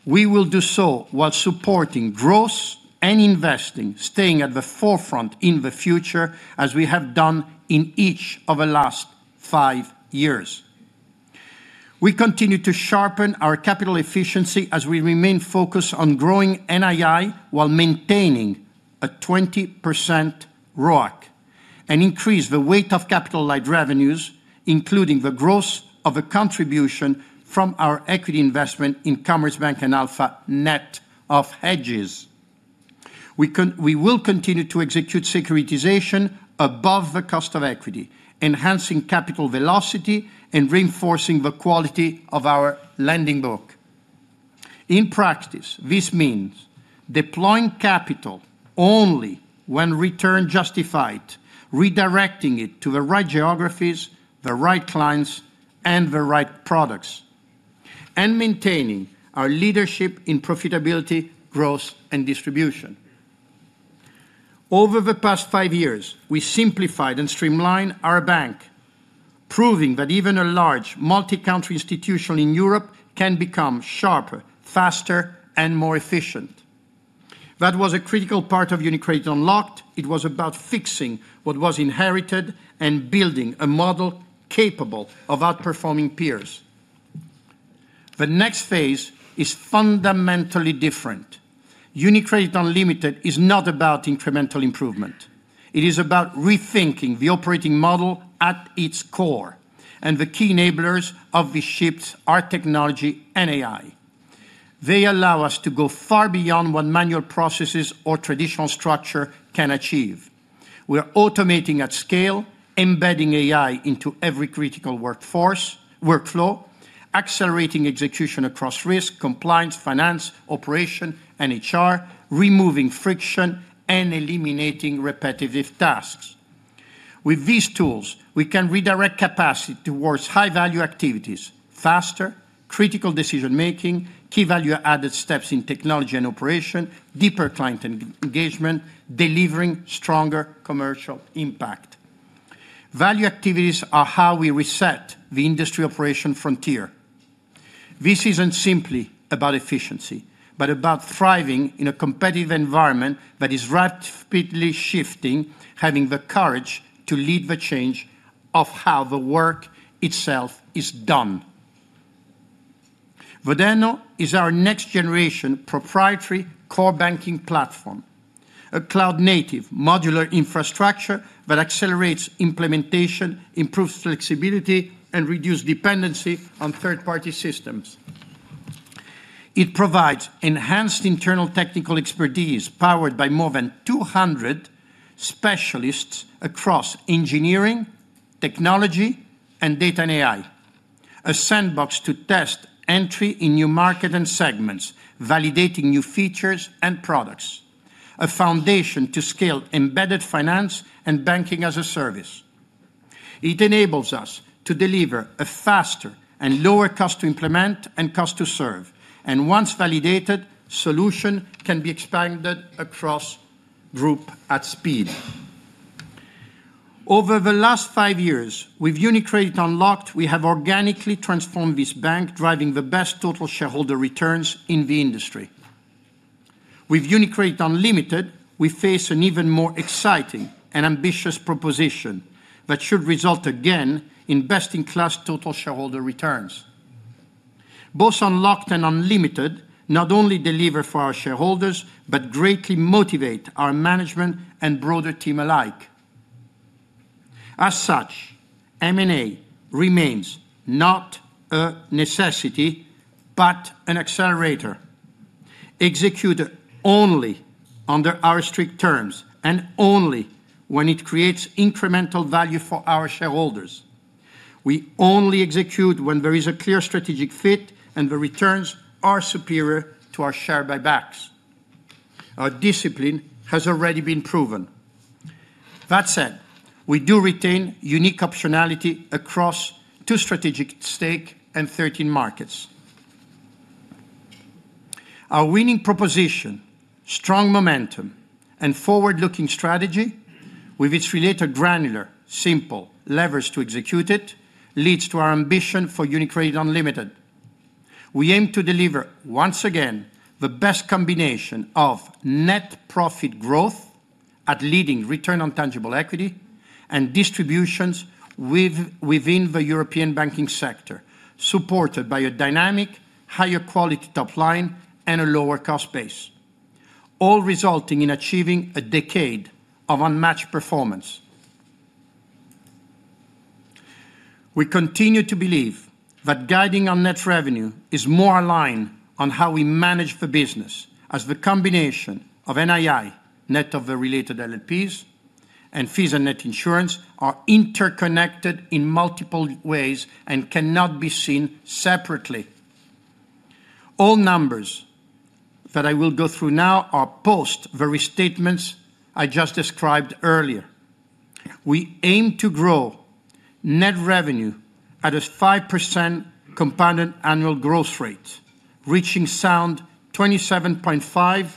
We will do so while supporting growth and investing, staying at the forefront in the future, as we have done in each of the last five years. We continue to sharpen our capital efficiency as we remain focused on growing NII while maintaining a 20% ROIC, and increase the weight of capital-light revenues, including the growth of the contribution from our equity investment in Commerzbank and Alpha net of hedges. We will continue to execute securitization above the cost of equity, enhancing capital velocity and reinforcing the quality of our lending book. In practice, this means deploying capital only when return justified, redirecting it to the right geographies, the right clients, and the right products, and maintaining our leadership in profitability, growth, and distribution. Over the past 5 years, we simplified and streamlined our bank, proving that even a large multi-country institution in Europe can become sharper, faster, and more efficient. That was a critical part of UniCredit Unlocked. It was about fixing what was inherited and building a model capable of outperforming peers. The next phase is fundamentally different. UniCredit Unlimited is not about incremental improvement. It is about rethinking the operating model at its core, and the key enablers of the shifts are technology and AI. They allow us to go far beyond what manual processes or traditional structure can achieve. We are automating at scale, embedding AI into every critical workflow, accelerating execution across risk, compliance, finance, operation, and HR, removing friction, and eliminating repetitive tasks. With these tools, we can redirect capacity towards high-value activities faster, critical decision-making, key value added steps in technology and operation, deeper client engagement, delivering stronger commercial impact. Value activities are how we reset the industry operation frontier. This isn't simply about efficiency, but about thriving in a competitive environment that is rapidly shifting, having the courage to lead the change of how the work itself is done. Vodeno is our next generation proprietary core banking platform, a cloud native modular infrastructure that accelerates implementation, improves flexibility, and reduces dependency on third-party systems. It provides enhanced internal technical expertise, powered by more than 200 specialists across engineering, technology, and data and AI. A sandbox to test entry in new market and segments, validating new features and products. A foundation to scale embedded finance and banking as a service. It enables us to deliver a faster and lower cost to implement and cost to serve, and once validated, solution can be expanded across Group at speed. Over the last five years, with UniCredit Unlocked, we have organically transformed this bank, driving the best total shareholder returns in the industry. With UniCredit Unlimited, we face an even more exciting and ambitious proposition that should result again in best-in-class total shareholder returns. Both Unlocked and Unlimited not only deliver for our shareholders, but greatly motivate our management and broader team alike. As such, M&A remains not a necessity, but an accelerator, executed only under our strict terms and only when it creates incremental value for our shareholders. We only execute when there is a clear strategic fit and the returns are superior to our share buybacks. Our discipline has already been proven. That said, we do retain unique optionality across two strategic stake and 13 markets. Our winning proposition, strong momentum, and forward-looking strategy, with its related granular, simple levers to execute it, leads to our ambition for UniCredit Unlimited. We aim to deliver, once again, the best combination of net profit growth at leading return on tangible equity and distributions within the European banking sector, supported by a dynamic, higher quality top line and a lower cost base, all resulting in achieving a decade of unmatched performance. We continue to believe that guiding our net revenue is more aligned on how we manage the business, as the combination of NII, net of the related LLPs, and fees and net insurance are interconnected in multiple ways and cannot be seen separately. All numbers that I will go through now are post the restatements I just described earlier. We aim to grow net revenue at a 5% compounded annual growth rate, reaching a solid 27.5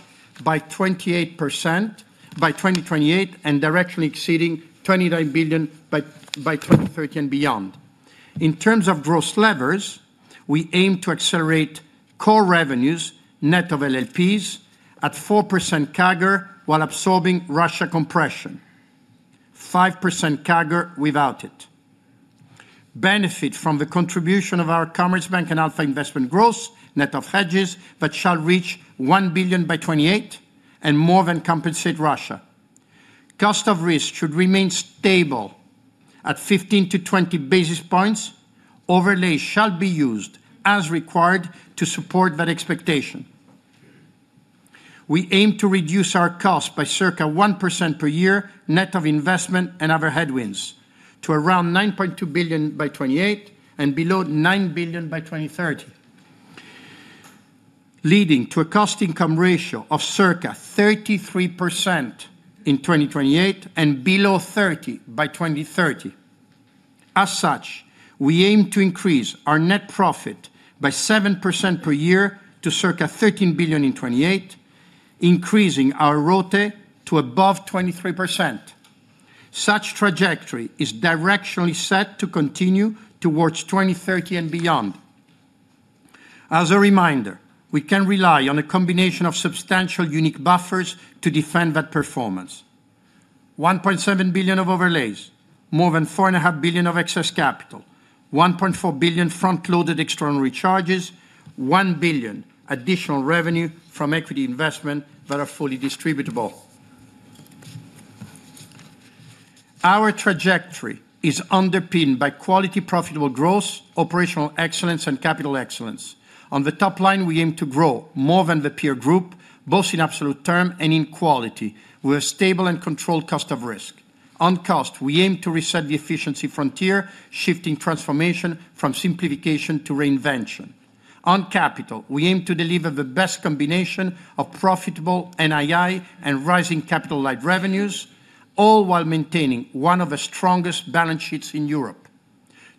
by 28% by 2028 and directly exceeding 29 billion by 2030 and beyond. In terms of gross levers, we aim to accelerate core revenues, net of LLPs, at 4% CAGR, while absorbing Russia compression. 5% CAGR without it. Benefit from the contribution of our Commerzbank and Alpha investment growth, net of hedges, that shall reach 1 billion by 2028 and more than compensate Russia. Cost of risk should remain stable at 15 to 20 basis points. Overlay shall be used as required to support that expectation. We aim to reduce our cost by circa 1% per year, net of investment and other headwinds, to around 9.2 billion by 2028 and below 9 billion by 2030, leading to a cost income ratio of circa 33% in 2028 and below 30% by 2030. As such, we aim to increase our net profit by 7% per year to circa 13 billion in 2028, increasing our ROTE to above 23%. Such trajectory is directionally set to continue towards 2030 and beyond. As a reminder, we can rely on a combination of substantial unique buffers to defend that performance. 1.7 billion of overlays, more than 4.5 billion of excess capital, 1.4 billion front-loaded extraordinary charges, 1 billion additional revenue from equity investment that are fully distributable. Our trajectory is underpinned by quality profitable growth, operational excellence, and capital excellence. On the top line, we aim to grow more than the peer Group, both in absolute term and in quality, with a stable and controlled cost of risk. On cost, we aim to reset the efficiency frontier, shifting transformation from simplification to reinvention. On capital, we aim to deliver the best combination of profitable NII and rising capital-light revenues, all while maintaining one of the strongest balance sheets in Europe.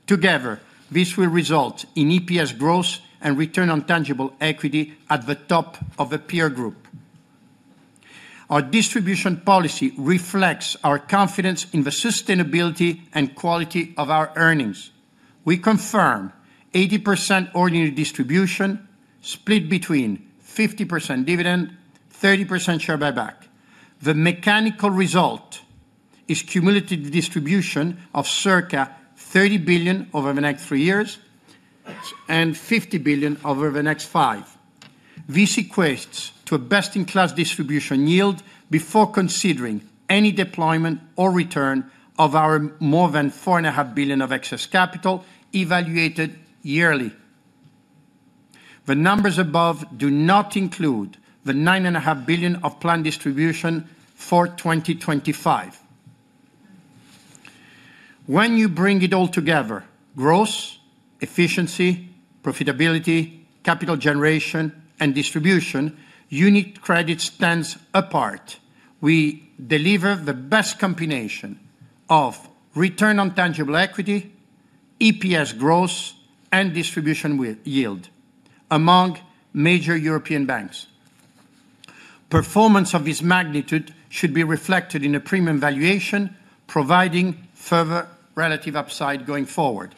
Together, this will result in EPS growth and return on tangible equity at the top of the peer Group. Our distribution policy reflects our confidence in the sustainability and quality of our earnings. We confirm 80% ordinary distribution, split between 50% dividend, 30% share buyback. The mechanical result is cumulative distribution of circa 30 billion over the next three years, and 50 billion over the next five. This equates to a best-in-class distribution yield before considering any deployment or return of our more than 4.5 billion of excess capital evaluated yearly. The numbers above do not include the 9.5 billion of planned distribution for 2025. When you bring it all together, growth, efficiency, profitability, capital generation, and distribution, UniCredit stands apart. We deliver the best combination of return on tangible equity, EPS growth, and distribution with yield among major European banks. Performance of this magnitude should be reflected in a premium valuation, providing further relative upside going forward.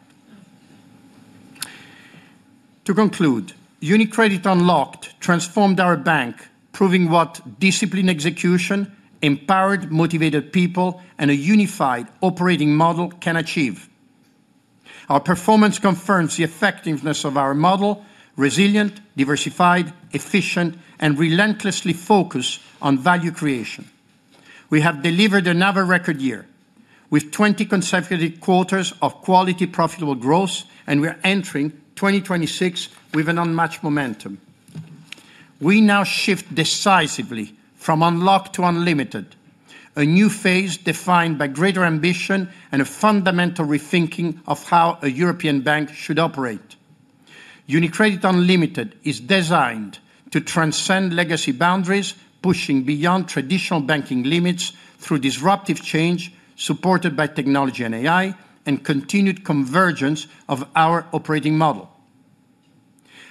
To conclude, UniCredit Unlocked transformed our bank, proving what disciplined execution, empowered, motivated people, and a unified operating model can achieve. Our performance confirms the effectiveness of our model: resilient, diversified, efficient, and relentlessly focused on value creation. We have delivered another record year, with 20 consecutive quarters of quality, profitable growth, and we are entering 2026 with an unmatched momentum. We now shift decisively from Unlocked to Unlimited, a new phase defined by greater ambition and a fundamental rethinking of how a European bank should operate. UniCredit Unlimited is designed to transcend legacy boundaries, pushing beyond traditional banking limits through disruptive change, supported by technology and AI, and continued convergence of our operating model.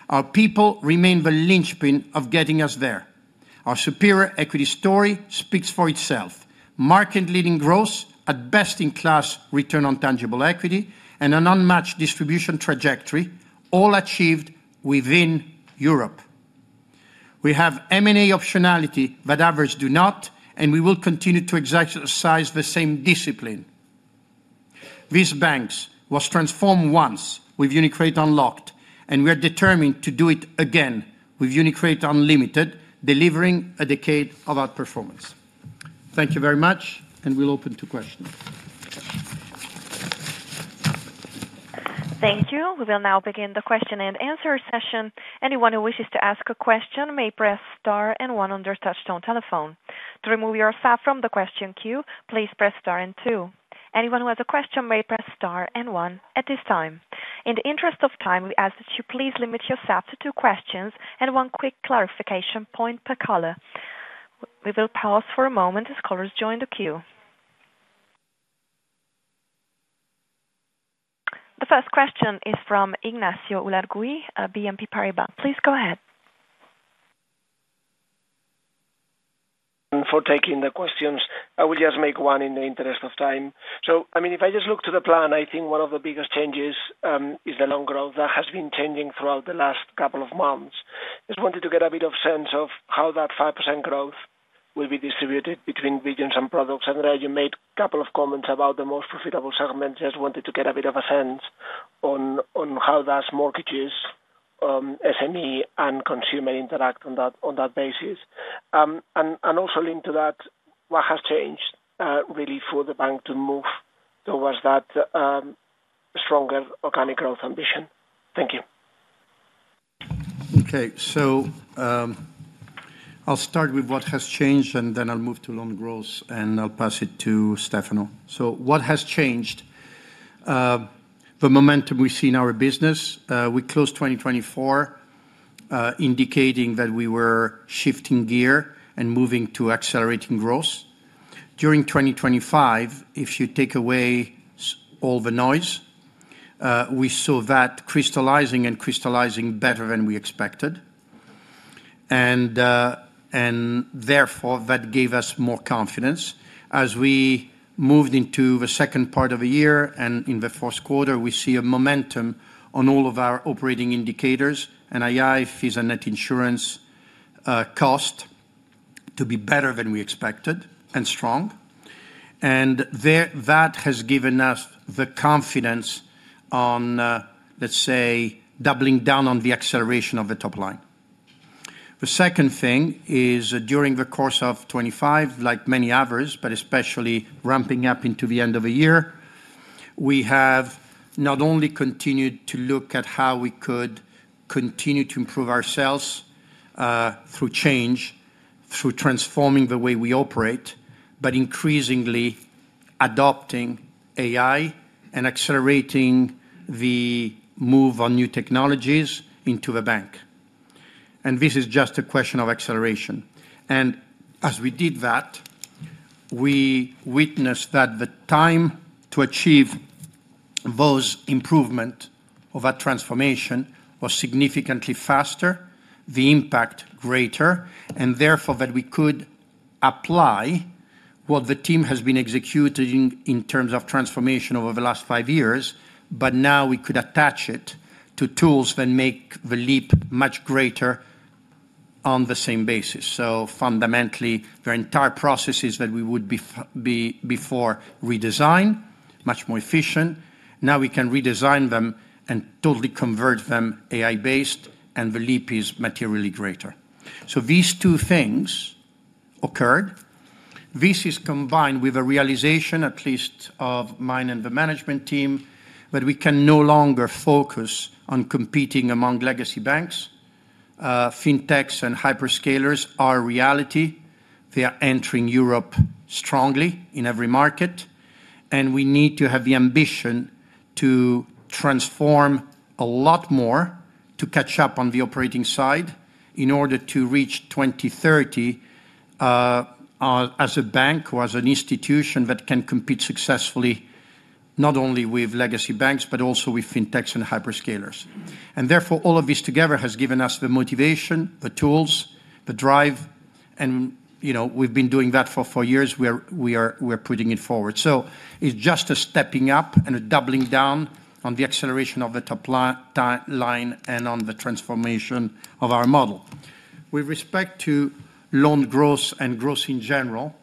Our people remain the linchpin of getting us there. Our superior equity story speaks for itself: market-leading growth, a best-in-class return on tangible equity, and an unmatched distribution trajectory, all achieved within Europe. We have M&A optionality that others do not, and we will continue to exercise the same discipline. This bank was transformed once with UniCredit Unlocked, and we are determined to do it again with UniCredit Unlimited, delivering a decade of outperformance. Thank you very much, and we'll open to questions. Thank you. We will now begin the question and answer session. Anyone who wishes to ask a question may press star and one on their touchtone telephone. To remove yourself from the question queue, please press star and two. Anyone who has a question may press star and one at this time. In the interest of time, we ask that you please limit yourself to two questions and one quick clarification point per caller. We will pause for a moment as callers join the queue. The first question is from Ignacio Ulargui, BNP Paribas. Please go ahead. you for taking the questions. I will just make one in the interest of time. So, I mean, if I just look to the plan, I think one of the biggest changes is the loan growth that has been changing throughout the last couple of months. Just wanted to get a bit of sense of how that 5% growth will be distributed between regions and products. I know you made a couple of comments about the most profitable segment. Just wanted to get a bit of a sense on how does mortgages, SME, and consumer interact on that basis. And also into that, what has changed really for the bank to move towards that stronger organic growth ambition? Thank you. Okay. So, I'll start with what has changed, and then I'll move to loan growth, and I'll pass it to Stefano. So what has changed? The momentum we see in our business, we closed 2024, indicating that we were shifting gear and moving to accelerating growth. During 2025, if you take away all the noise, we saw that crystallizing and crystallizing better than we expected. And therefore, that gave us more confidence. As we moved into the second part of the year, and in the first quarter, we see a momentum on all of our operating indicators, NII, fees and net insurance, cost to be better than we expected, and strong. And there, that has given us the confidence on, let's say, doubling down on the acceleration of the top line. The second thing is, during the course of 2025, like many others, but especially ramping up into the end of the year, we have not only continued to look at how we could continue to improve ourselves through change, through transforming the way we operate, but increasingly adopting AI and accelerating the move on new technologies into the bank… and this is just a question of acceleration. And as we did that, we witnessed that the time to achieve those improvement of that transformation was significantly faster, the impact greater, and therefore, that we could apply what the team has been executing in terms of transformation over the last five years, but now we could attach it to tools that make the leap much greater on the same basis. So fundamentally, there are entire processes that we would be before redesign, much more efficient. Now we can redesign them and totally convert them AI-based, and the leap is materially greater. So these two things occurred. This is combined with a realization, at least of mine and the management team, that we can no longer focus on competing among legacy banks. Fintechs and hyperscalers are a reality. They are entering Europe strongly in every market, and we need to have the ambition to transform a lot more to catch up on the operating side in order to reach 2030, as a bank or as an institution that can compete successfully, not only with legacy banks, but also with fintechs and hyperscalers. And therefore, all of this together has given us the motivation, the tools, the drive, and, you know, we've been doing that for four years, we are, we are, we're putting it forward. So it's just a stepping up and a doubling down on the acceleration of the top line and on the transformation of our model. With respect to loan growth and growth in general,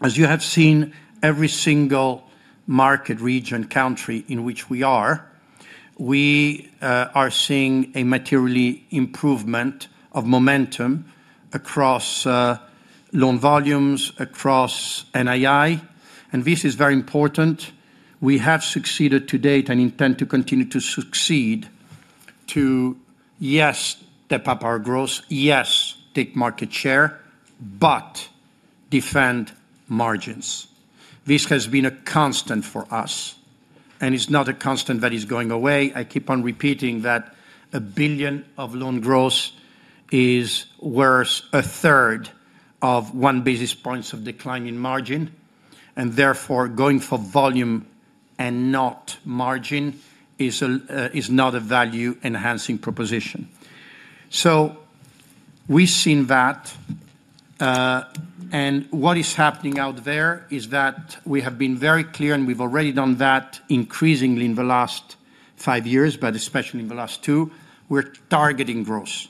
as you have seen, every single market region, country in which we are, we are seeing a material improvement of momentum across loan volumes, across NII, and this is very important. We have succeeded to date and intend to continue to succeed to, yes, step up our growth; yes, take market share, but defend margins. This has been a constant for us, and it's not a constant that is going away. I keep on repeating that 1 billion of loan growth is worth a third of one basis point of decline in margin, and therefore, going for volume and not margin is a, is not a value-enhancing proposition. So we've seen that, and what is happening out there is that we have been very clear, and we've already done that increasingly in the last five years, but especially in the last two, we're targeting growth.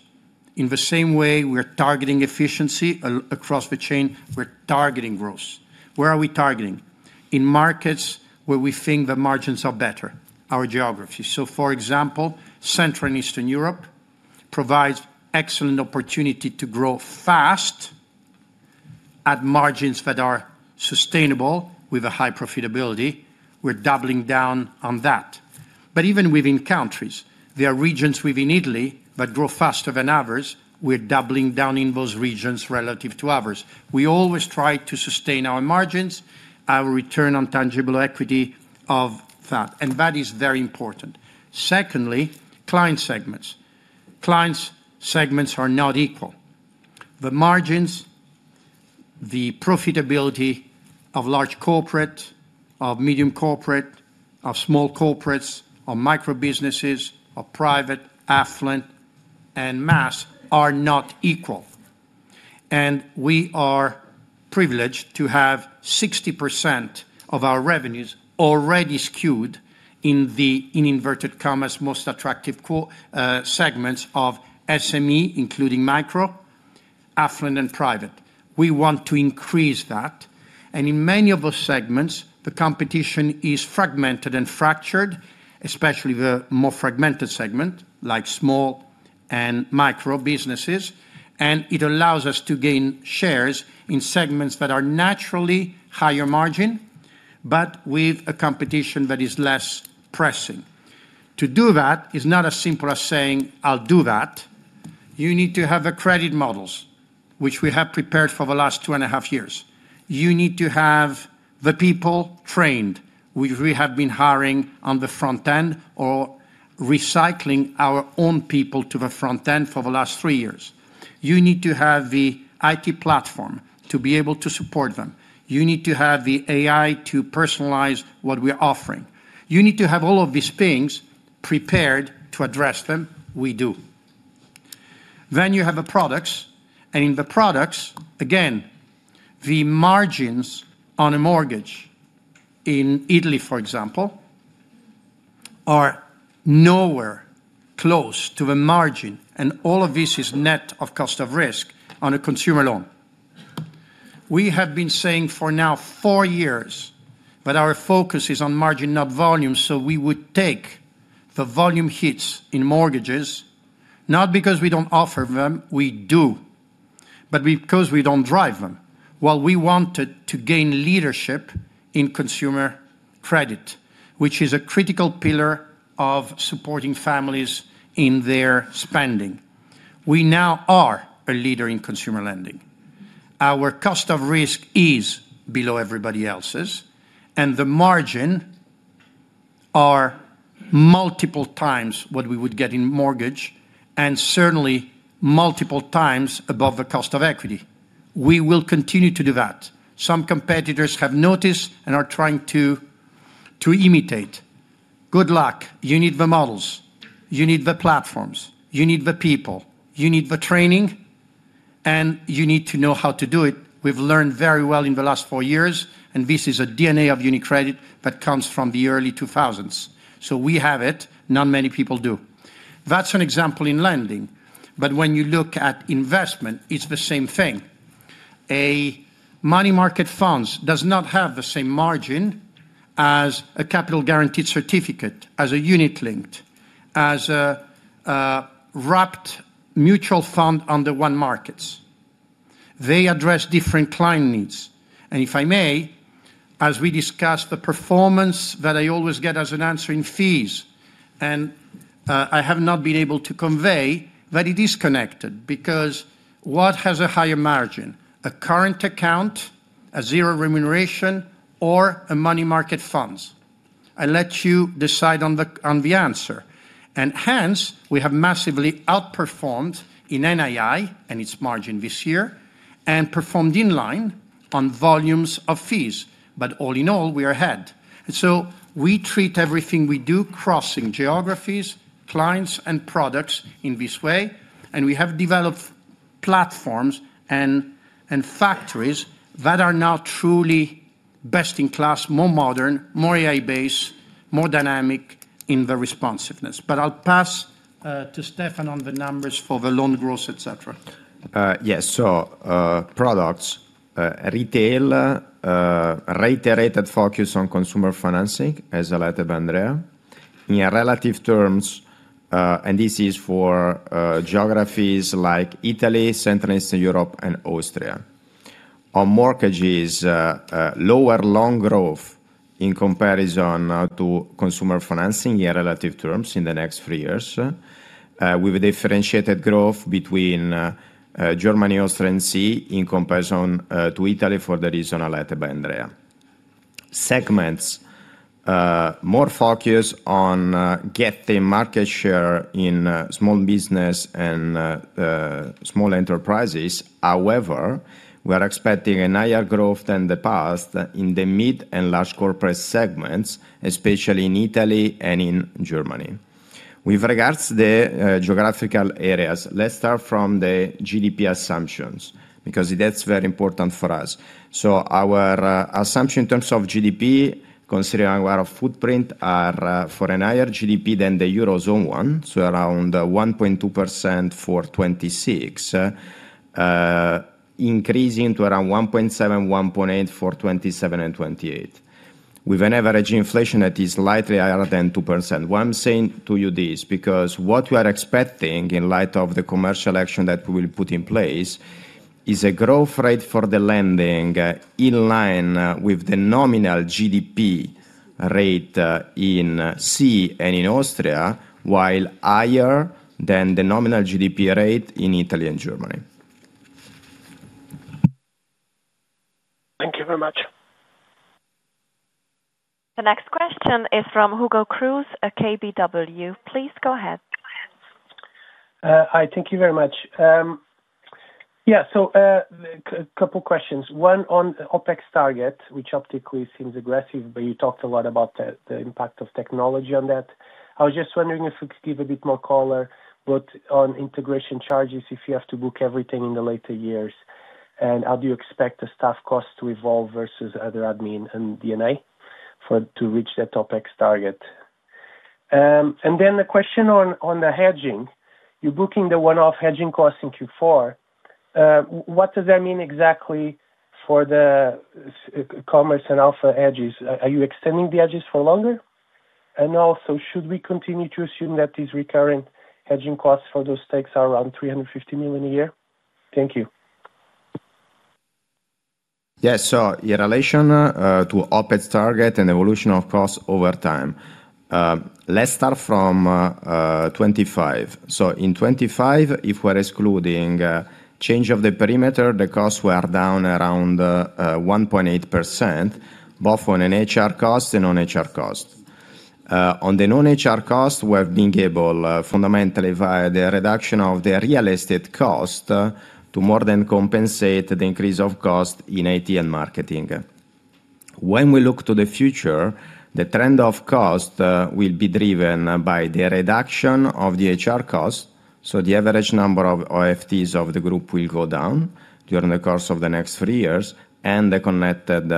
In the same way we're targeting efficiency across the chain, we're targeting growth. Where are we targeting? In markets where we think the margins are better, our geography. So for example, Central and Eastern Europe provides excellent opportunity to grow fast at margins that are sustainable with a high profitability. We're doubling down on that. But even within countries, there are regions within Italy that grow faster than others. We're doubling down in those regions relative to others. We always try to sustain our margins, our return on tangible equity of that, and that is very important. Secondly, client segments. Client segments are not equal. The margins, the profitability of large corporate, of medium corporate, of small corporates, of micro businesses, of private, affluent, and mass are not equal, and we are privileged to have 60% of our revenues already skewed in the, in inverted commas, most attractive core segments of SME, including micro, affluent, and private. We want to increase that, and in many of those segments, the competition is fragmented and fractured, especially the more fragmented segment, like small and micro businesses, and it allows us to gain shares in segments that are naturally higher margin, but with a competition that is less pressing. To do that is not as simple as saying, "I'll do that." You need to have the credit models, which we have prepared for the last two and a half years. You need to have the people trained, which we have been hiring on the front end or recycling our own people to the front end for the last 3 years. You need to have the IT platform to be able to support them. You need to have the AI to personalize what we are offering. You need to have all of these things prepared to address them. We do. Then you have the products, and in the products, again, the margins on a mortgage in Italy, for example, are nowhere close to the margin, and all of this is net of cost of risk on a consumer loan. We have been saying for now 4 years that our focus is on margin, not volume, so we would take the volume hits in mortgages, not because we don't offer them, we do, but because we don't drive them. While we wanted to gain leadership in consumer credit, which is a critical pillar of supporting families in their spending, we now are a leader in consumer lending. Our cost of risk is below everybody else's, and the margins are multiple times what we would get in mortgage, and certainly multiple times above the cost of equity. We will continue to do that. Some competitors have noticed and are trying to imitate. Good luck. You need the models, you need the platforms, you need the people, you need the training, and you need to know how to do it. We've learned very well in the last four years, and this is a D&A of UniCredit that comes from the early 2000s. So we have it, not many people do. That's an example in lending, but when you look at investment, it's the same thing. A money market funds does not have the same margin as a capital guaranteed certificate, as a unit linked, as a wrapped mutual fund under onemarkets. They address different client needs, and if I may, as we discuss the performance that I always get as an answer in fees, and I have not been able to convey that it is connected, because what has a higher margin? A current account, a zero remuneration, or a money market funds? I let you decide on the answer. And hence, we have massively outperformed in NII and its margin this year, and performed in line on volumes of fees. But all in all, we are ahead. And so we treat everything we do, crossing geographies, clients, and products in this way, and we have developed platforms and factories that are now truly best in class, more modern, more AI-based, more dynamic in the responsiveness. But I'll pass to Stefano on the numbers for the loan growth, et cetera. Yes, so products, retail, reiterated focus on consumer financing, as highlighted by Andrea. In relative terms, and this is for geographies like Italy, Central and Eastern Europe and Austria. On mortgages, lower loan growth in comparison to consumer financing in relative terms in the next three years, with a differentiated growth between Germany, Austria, and CEE, in comparison to Italy for the reason highlighted by Andrea. Segments, more focus on getting market share in small business and small enterprises. However, we are expecting a higher growth than the past in the mid and large corporate segments, especially in Italy and in Germany. With regards to the geographical areas, let's start from the GDP assumptions, because that's very important for us. So our assumption in terms of GDP, considering our footprint, are for a higher GDP than the eurozone one, so around 1.2% for 2026, increasing to around 1.7, 1.8 for 2027 and 2028, with an average inflation that is slightly higher than 2%. Why I'm saying to you this, because what we are expecting in light of the commercial action that we'll put in place, is a growth rate for the lending in line with the nominal GDP rate in CEE and in Austria, while higher than the nominal GDP rate in Italy and Germany. Thank you very much. The next question is from Hugo Cruz at KBW. Please go ahead. Hi, thank you very much. Yeah, so, couple questions, one on the OpEx target, which optically seems aggressive, but you talked a lot about the impact of technology on that. I was just wondering if you could give a bit more color, both on integration charges, if you have to book everything in the later years, and how do you expect the staff costs to evolve versus other admin and DNA to reach that OpEx target? And then the question on the hedging. You're booking the one-off hedging costs in Q4. What does that mean exactly for the Commerz and Alpha hedges? Are you extending the hedges for longer? And also, should we continue to assume that these recurring hedging costs for those stakes are around 350 million a year? Thank you. Yes. So in relation to OpEx target and evolution of cost over time, let's start from 2025. So in 25, if we're excluding change of the perimeter, the costs were down around 1.8%, both on an HR cost and non-HR cost. On the non-HR cost, we have been able fundamentally via the reduction of the real estate cost to more than compensate the increase of cost in IT and marketing. When we look to the future, the trend of cost will be driven by the reduction of the HR costs, so the average number of OFTs of the Group will go down during the course of the next three years, and the connected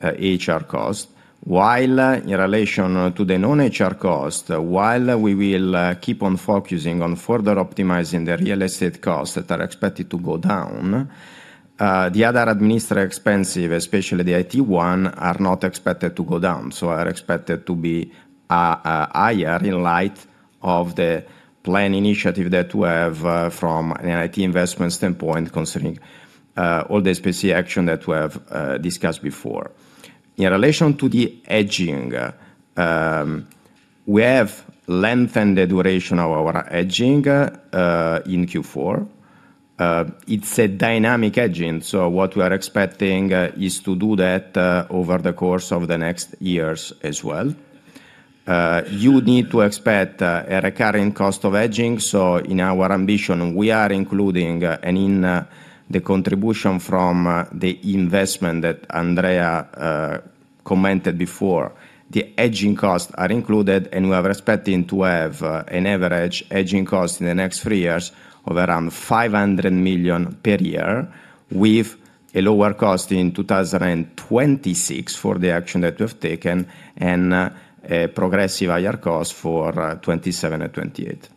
HR cost. While in relation to the non-HR cost, while we will keep on focusing on further optimizing the real estate costs that are expected to go down, the other administrative expenses, especially the IT one, are not expected to go down, so are expected to be higher in light of the plan initiative that we have from an IT investment standpoint, considering all the specific action that we have discussed before. In relation to the hedging, we have lengthened the duration of our hedging in Q4.... It's a dynamic hedging, so what we are expecting is to do that over the course of the next years as well. You need to expect a recurring cost of hedging, so in our ambition, we are including and in the contribution from the investment that Andrea commented before. The hedging costs are included, and we are expecting to have an average hedging cost in the next three years of around 500 million per year, with a lower cost in 2026 for the action that we've taken, and a progressive higher cost for 2027 and 2028.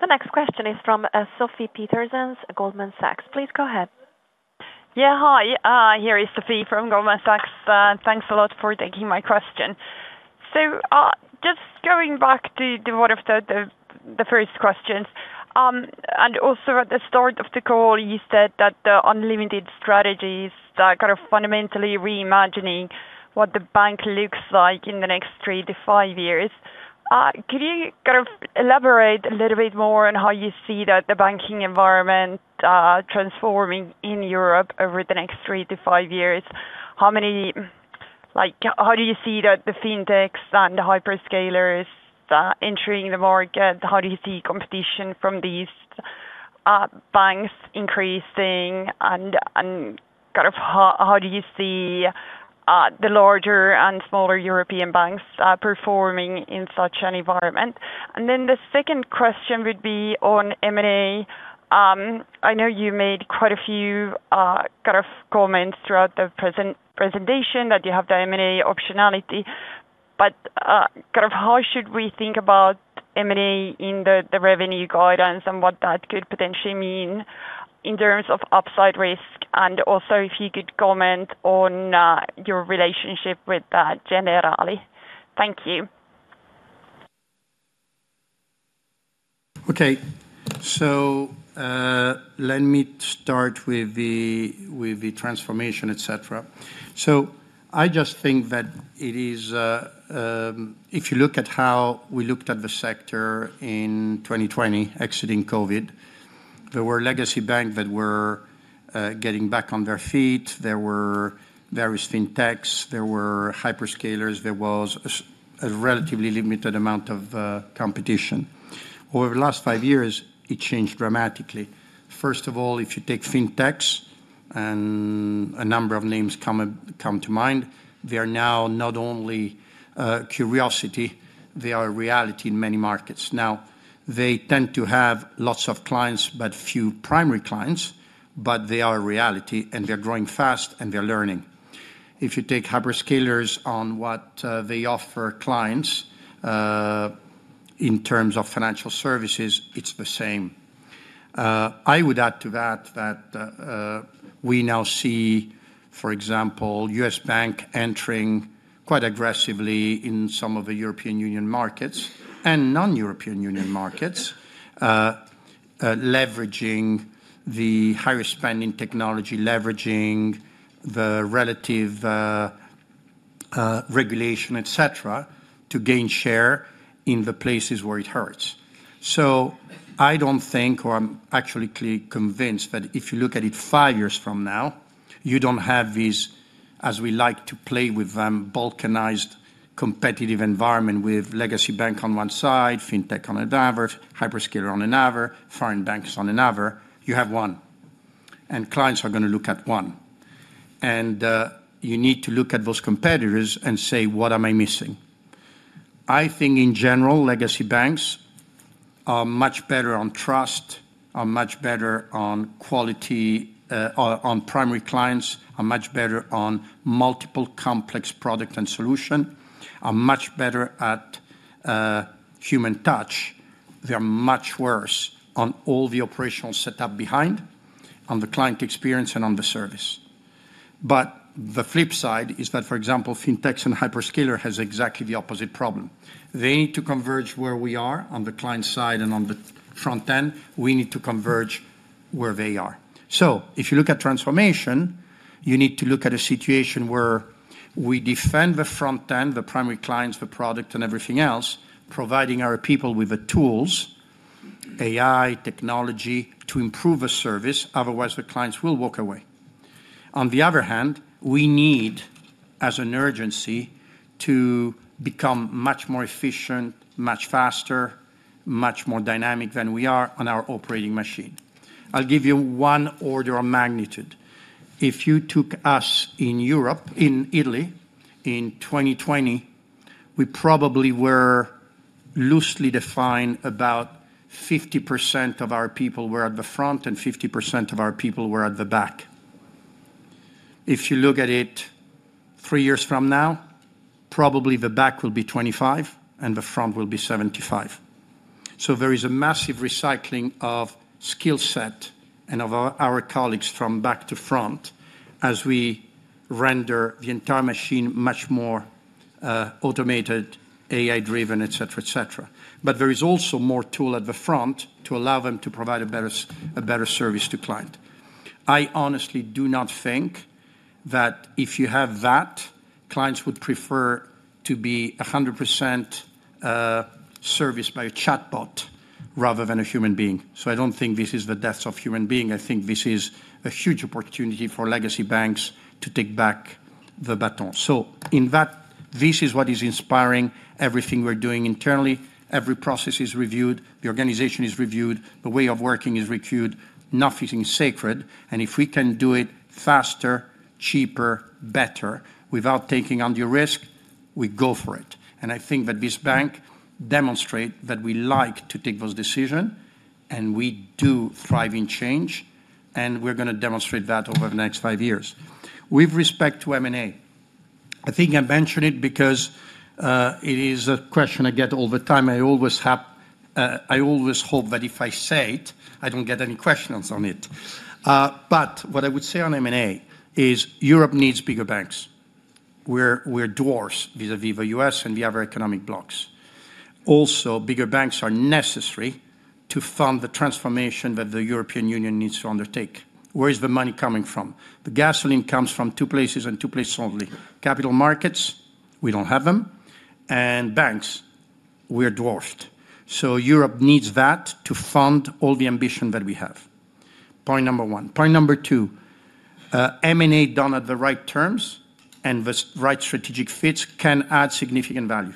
The next question is from Sofie Peterzens at Goldman Sachs. Please go ahead. Yeah, hi, here is Sofie from Goldman Sachs. Thanks a lot for taking my question. So, just going back to one of the first questions, and also at the start of the call, you said that the Unlimited strategies are kind of fundamentally reimagining what the bank looks like in the next three to five years. Could you kind of elaborate a little bit more on how you see the banking environment transforming in Europe over the next three to five years? Like, how do you see the fintechs and the hyperscalers entering the market? How do you see competition from these banks increasing? And kind of how do you see the larger and smaller European banks performing in such an environment? And then the second question would be on M&A. I know you made quite a few kind of comments throughout the presentation, that you have the M&A optionality, but kind of how should we think about M&A in the revenue guidance and what that could potentially mean in terms of upside risk? And also if you could comment on your relationship with Generali. Thank you. Okay. So, let me start with the transformation, etc. So I just think that it is, if you look at how we looked at the sector in 2020, exiting COVID, there were legacy bank that were getting back on their feet, there were various fintechs, there were hyperscalers, there was a relatively limited amount of competition. Over the last five years, it changed dramatically. First of all, if you take fintechs, and a number of names come to mind, they are now not only a curiosity, they are a reality in many markets. Now, they tend to have lots of clients, but few primary clients, but they are a reality, and they're growing fast, and they're learning. If you take hyperscalers on what they offer clients in terms of financial services, it's the same. I would add to that, that we now see, for example, U.S. Banks entering quite aggressively in some of the European Union markets and non-European Union markets, leveraging the higher spending technology, leveraging the relative regulation, et cetera, to gain share in the places where it hurts. So I don't think, or I'm actually convinced, that if you look at it five years from now, you don't have these, as we like to play with them, balkanized competitive environment, with legacy bank on one side, fintech on another, hyperscaler on another, foreign banks on another. You have one, and clients are gonna look at one. And you need to look at those competitors and say: What am I missing? I think, in general, legacy banks are much better on trust, are much better on quality, on primary clients, are much better on multiple complex product and solution, are much better at human touch. They are much worse on all the operational setup behind, on the client experience, and on the service. But the flip side is that, for example, fintechs and hyperscaler has exactly the opposite problem. They need to converge where we are on the client side and on the front end. We need to converge where they are. So if you look at transformation, you need to look at a situation where we defend the front end, the primary clients, the product and everything else, providing our people with the tools, AI, technology, to improve the service; otherwise, the clients will walk away. On the other hand, we need, as an urgency, to become much more efficient, much faster, much more dynamic than we are on our operating machine. I'll give you one order of magnitude. If you took us in Europe, in Italy, in 2020, we probably were loosely defined, about 50% of our people were at the front and 50% of our people were at the back. If you look at it three years from now, probably the back will be 25 and the front will be 75. So there is a massive recycling of skill set and of our, our colleagues from back to front as we render the entire machine much more, automated, AI-driven, et cetera, et cetera. But there is also more tool at the front to allow them to provide a better a better service to client.... I honestly do not think that if you have that, clients would prefer to be 100%, serviced by a chatbot rather than a human being. So I don't think this is the death of the human being. I think this is a huge opportunity for legacy banks to take back the baton. So in that, this is what is inspiring everything we're doing internally. Every process is reviewed, the organization is reviewed, the way of working is reviewed, nothing is sacred, and if we can do it faster, cheaper, better, without taking undue risk, we go for it. And I think that this bank demonstrates that we like to take those decisions, and we do thrive in change, and we're gonna demonstrate that over the next five years. With respect to M&A, I think I mention it because it is a question I get all the time. I always have, I always hope that if I say it, I don't get any questions on it. But what I would say on M&A is Europe needs bigger banks. We're, we're dwarves vis-à-vis the U.S. and the other economic blocs. Also, bigger banks are necessary to fund the transformation that the European Union needs to undertake. Where is the money coming from? The gasoline comes from two places and two places only: capital markets, we don't have them, and banks, we're dwarfed. So Europe needs that to fund all the ambition that we have. Point number one. Point number two, M&A done at the right terms and the right strategic fits can add significant value.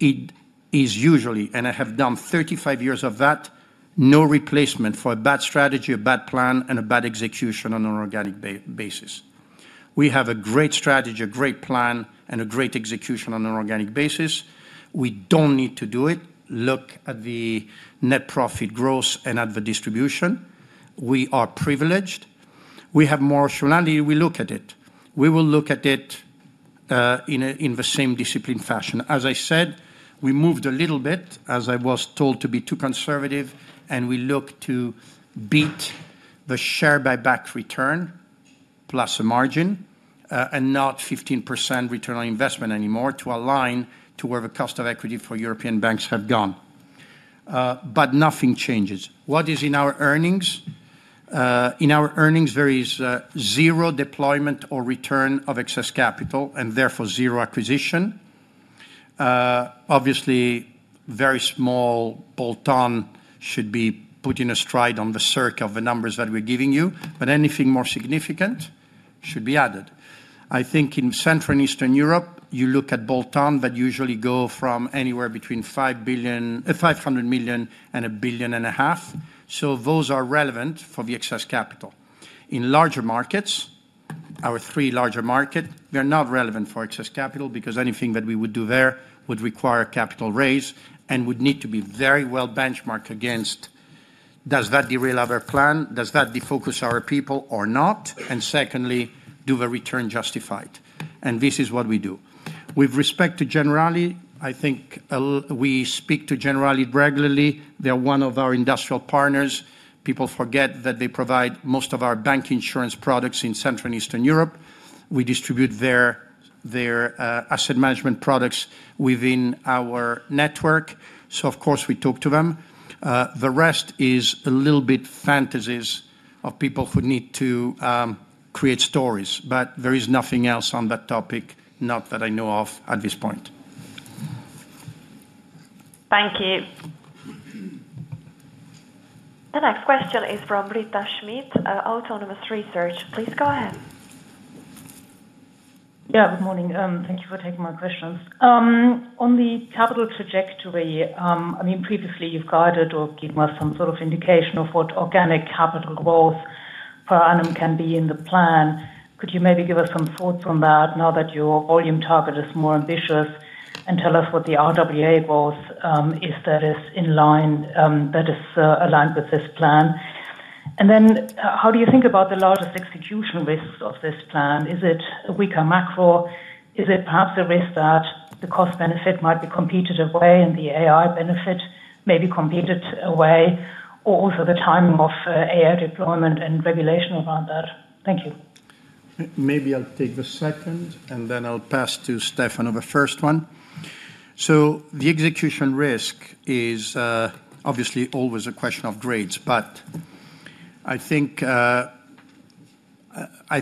It is usually, and I have done 35 years of that, no replacement for a bad strategy, a bad plan, and a bad execution on an organic basis. We have a great strategy, a great plan, and a great execution on an organic basis. We don't need to do it. Look at the net profit growth and at the distribution. We are privileged. We have more agility, we look at it. We will look at it, in the same disciplined fashion. As I said, we moved a little bit, as I was told, to be too conservative, and we look to beat the share buyback return plus a margin, and not 15% return on investment anymore to align to where the cost of equity for European banks have gone. But nothing changes. What is in our earnings? In our earnings, there is, zero deployment or return of excess capital, and therefore zero acquisition. Obviously, very small bolt-on should be put aside on the side of the numbers that we're giving you, but anything more significant should be added. I think in Central and Eastern Europe, you look at bolt-on that usually go from anywhere between 500 million and 1.5 billion, so those are relevant for the excess capital. In larger markets, our three larger markets, they are not relevant for excess capital because anything that we would do there would require a capital raise and would need to be very well benchmarked against: Does that derail our plan? Does that defocus our people or not? And secondly, do the returns justify? And this is what we do. With respect to Generali, I think we speak to Generali regularly. They are one of our industrial partners. People forget that they provide most of our bank insurance products in Central and Eastern Europe. We distribute their asset management products within our network, so of course, we talk to them. The rest is a little bit fantasies of people who need to create stories, but there is nothing else on that topic, not that I know of at this point. Thank you. The next question is from Britta Schmidt, Autonomous Research. Please go ahead. Yeah, good morning. Thank you for taking my questions. On the capital trajectory, I mean, previously you've guided or given us some sort of indication of what organic capital growth per annum can be in the plan. Could you maybe give us some thought from that now that your volume target is more ambitious, and tell us what the RWA growth, if that is in line, that is, aligned with this plan? And then, how do you think about the largest execution risks of this plan? Is it a weaker macro? Is it perhaps a risk that the cost benefit might be competed away and the AI benefit may be competed away, or also the timing of, AI deployment and regulation around that? Thank you. Maybe I'll take the second, and then I'll pass to Stefan on the first one. So the execution risk is obviously always a question of grades, but I think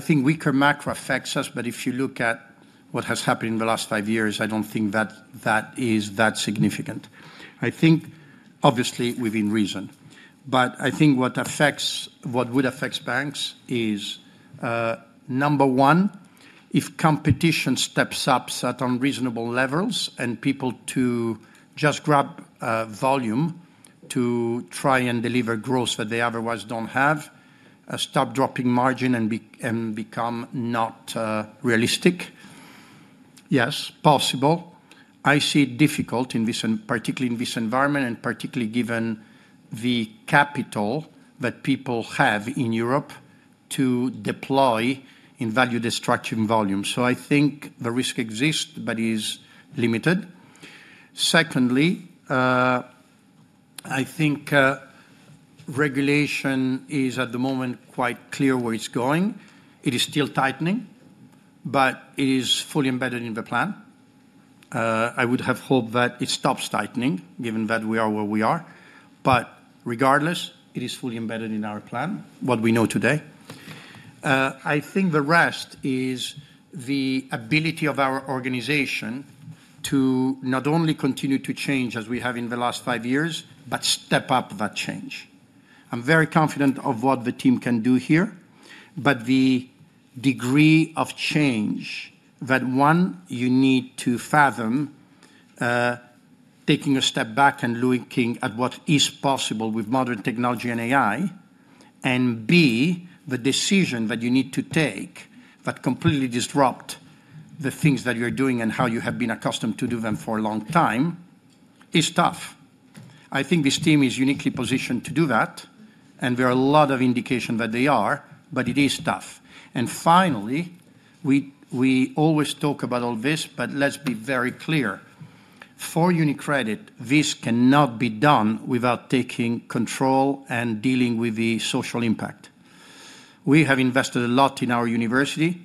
weaker macro affects us. But if you look at what has happened in the last five years, I don't think that that is that significant. I think obviously within reason. But I think what affects, what would affect banks is number one, if competition steps up, set unreasonable levels, and people to just grab volume to try and deliver growth that they otherwise don't have, stop dropping margin and become not realistic. Yes, possible. I see it difficult in this, and particularly in this environment, and particularly given the capital that people have in Europe to deploy in value-destructuring volume. So I think the risk exists, but is limited. Secondly, I think regulation is, at the moment, quite clear where it's going. It is still tightening, but it is fully embedded in the plan. I would have hoped that it stops tightening, given that we are where we are. But regardless, it is fully embedded in our plan, what we know today. I think the rest is the ability of our organization to not only continue to change as we have in the last five years, but step up that change. I'm very confident of what the team can do here, but the degree of change that, one, you need to fathom, taking a step back and looking at what is possible with modern technology and AI, and B, the decision that you need to take that completely disrupt the things that you're doing and how you have been accustomed to do them for a long time, is tough. I think this team is uniquely positioned to do that, and there are a lot of indication that they are, but it is tough. And finally, we, we always talk about all this, but let's be very clear. For UniCredit, this cannot be done without taking control and dealing with the social impact. We have invested a lot in our university.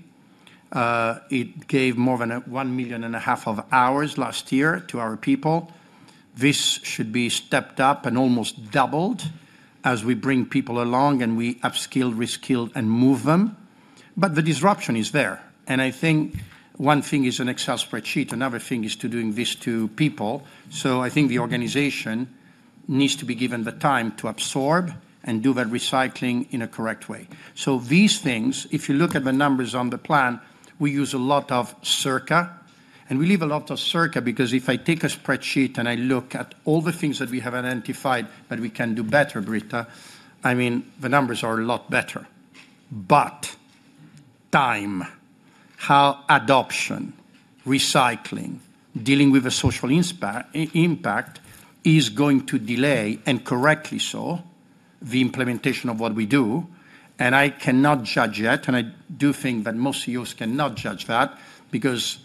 It gave more than 1.5 million hours last year to our people. This should be stepped up and almost doubled as we bring people along and we upskill, reskill, and move them. But the disruption is there, and I think one thing is an Excel spreadsheet, another thing is to doing this to people. So I think the organization needs to be given the time to absorb and do that recycling in a correct way. So these things, if you look at the numbers on the plan, we use a lot of circa, and we leave a lot of circa, because if I take a spreadsheet and I look at all the things that we have identified that we can do better, Britta, I mean, the numbers are a lot better. But time, how adoption, recycling, dealing with the social impact is going to delay, and correctly so, the implementation of what we do, and I cannot judge yet, and I do think that most CEOs cannot judge that, because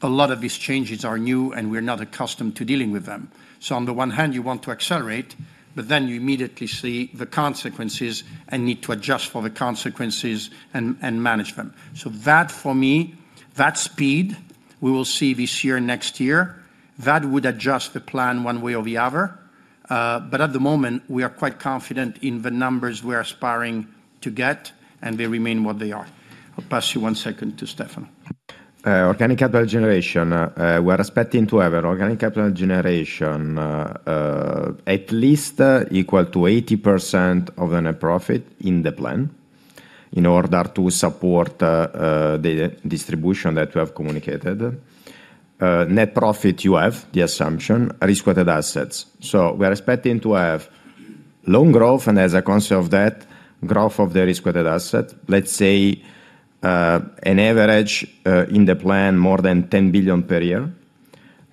a lot of these changes are new, and we're not accustomed to dealing with them. So on the one hand, you want to accelerate, but then you immediately see the consequences and need to adjust for the consequences and manage them. So that for me, that speed, we will see this year, next year, that would adjust the plan one way or the other. But at the moment, we are quite confident in the numbers we're aspiring to get, and they remain what they are. I'll pass you one second to Stefano. Organic capital generation, we're expecting to have an organic capital generation, at least, equal to 80% of the net profit in the plan in order to support, the distribution that we have communicated. Net profit, you have the assumption, risk-weighted assets. So we are expecting to have loan growth, and as a consequence of that, growth of the risk-weighted asset, let's say, an average, in the plan, more than 10 billion per year.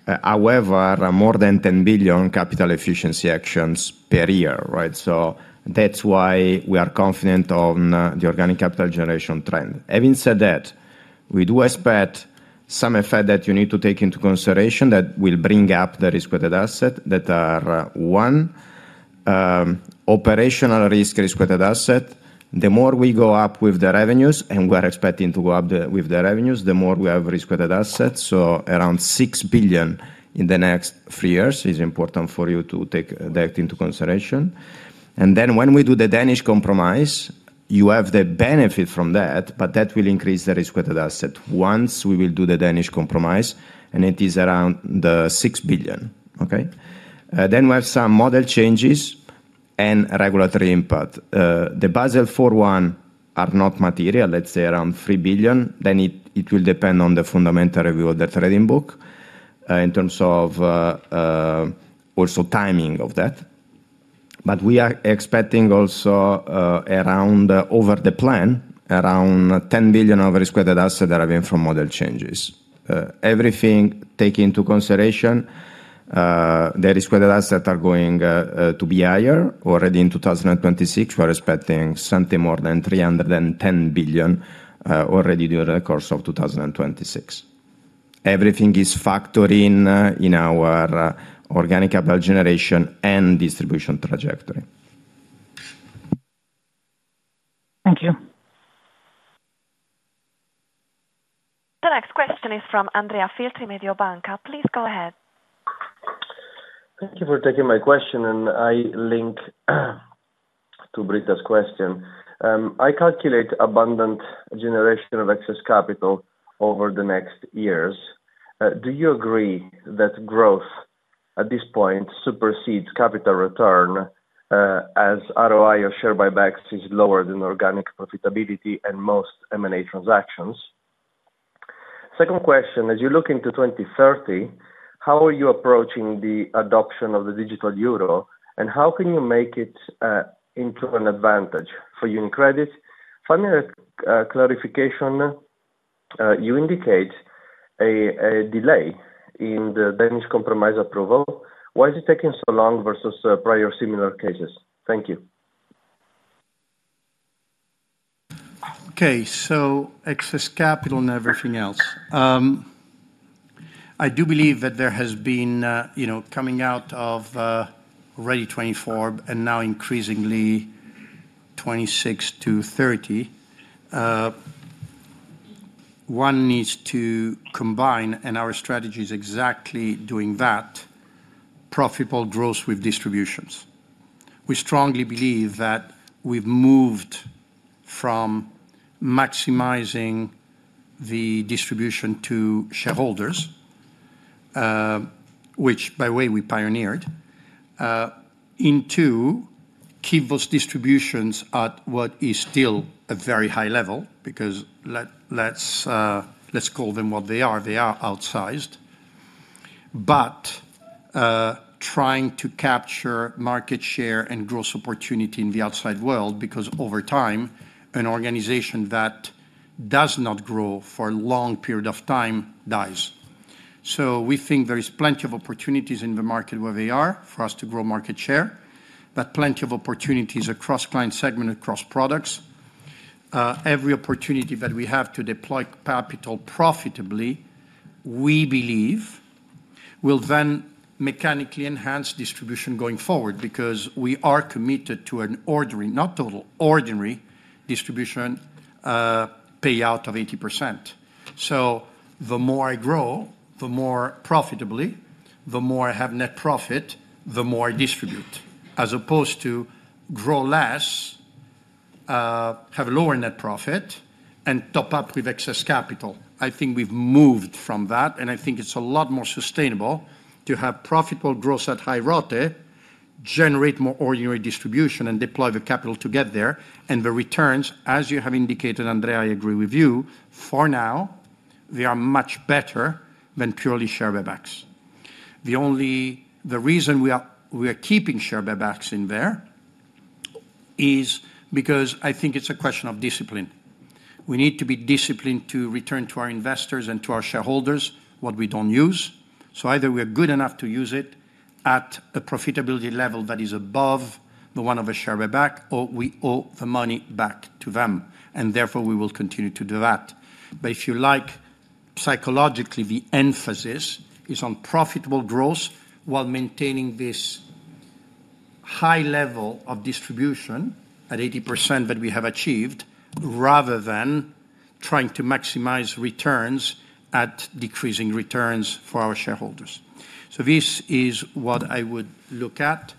However, more than 10 billion capital efficiency actions per year, right? So that's why we are confident on, the organic capital generation trend. Having said that, we do expect some effect that you need to take into consideration that will bring up the risk-weighted asset, that are: one, operational risk-weighted asset. The more we go up with the revenues, and we're expecting to go up with the revenues, the more we have risk-weighted assets, so around 6 billion in the next three years is important for you to take that into consideration. And then when we do the Danish Compromise, you have the benefit from that, but that will increase the risk-weighted asset. Once we will do the Danish Compromise, and it is around the 6 billion. Okay? Then we have some model changes and regulatory impact. The Basel IV are not material, let's say around 3 billion. Then it, it will depend on the fundamental review of the trading book, in terms of, also timing of that. But we are expecting also, around, over the plan, around 10 billion of risk-weighted asset deriving from model changes. Everything taken into consideration, the risk-weighted assets are going to be higher. Already in 2026, we're expecting something more than 310 billion, already during the course of 2026. Everything is factoring in our organic capital generation and distribution trajectory. Thank you. The next question is from Andrea Filtri, Mediobanca. Please go ahead. Thank you for taking my question, and I link to Britta's question. I calculate abundant generation of excess capital over the next years. Do you agree that growth, at this point, supersedes capital return, as ROI or share buybacks is lower than organic profitability in most M&A transactions? Second question: as you look into 2030, how are you approaching the adoption of the digital euro, and how can you make it into an advantage for UniCredit? Finally, clarification, you indicate a delay in the Danish Compromise approval. Why is it taking so long versus prior similar cases? Thank you. Okay, so excess capital and everything else. I do believe that there has been, you know, coming out of already 2024 and now increasingly 2026-2030, one needs to combine, and our strategy is exactly doing that, profitable growth with distributions. We strongly believe that we've moved from maximizing the distribution to shareholders, which by the way, we pioneered, into keep those distributions at what is still a very high level, because let's call them what they are, they are outsized. But trying to capture market share and growth opportunity in the outside world, because over time, an organization that does not grow for a long period of time dies. So we think there is plenty of opportunities in the market where we are for us to grow market share, but plenty of opportunities across client segment, across products. Every opportunity that we have to deploy capital profitably, we believe will then mechanically enhance distribution going forward, because we are committed to an ordinary, not total, ordinary distribution, payout of 80%. So the more I grow, the more profitably, the more I have net profit, the more I distribute, as opposed to grow less, have a lower net profit, and top up with excess capital. I think we've moved from that, and I think it's a lot more sustainable to have profitable growth at high ROTE, generate more ordinary distribution, and deploy the capital to get there, and the returns, as you have indicated, Andrea, I agree with you. For now, they are much better than purely share buybacks. The only... The reason we are, we are keeping share buybacks in there is because I think it's a question of discipline. We need to be disciplined to return to our investors and to our shareholders what we don't use. So either we are good enough to use it at a profitability level that is above the one of a share buyback, or we owe the money back to them, and therefore, we will continue to do that. But if you like, psychologically, the emphasis is on profitable growth while maintaining this high level of distribution at 80% that we have achieved, rather than trying to maximize returns at decreasing returns for our shareholders. So this is what I would look at.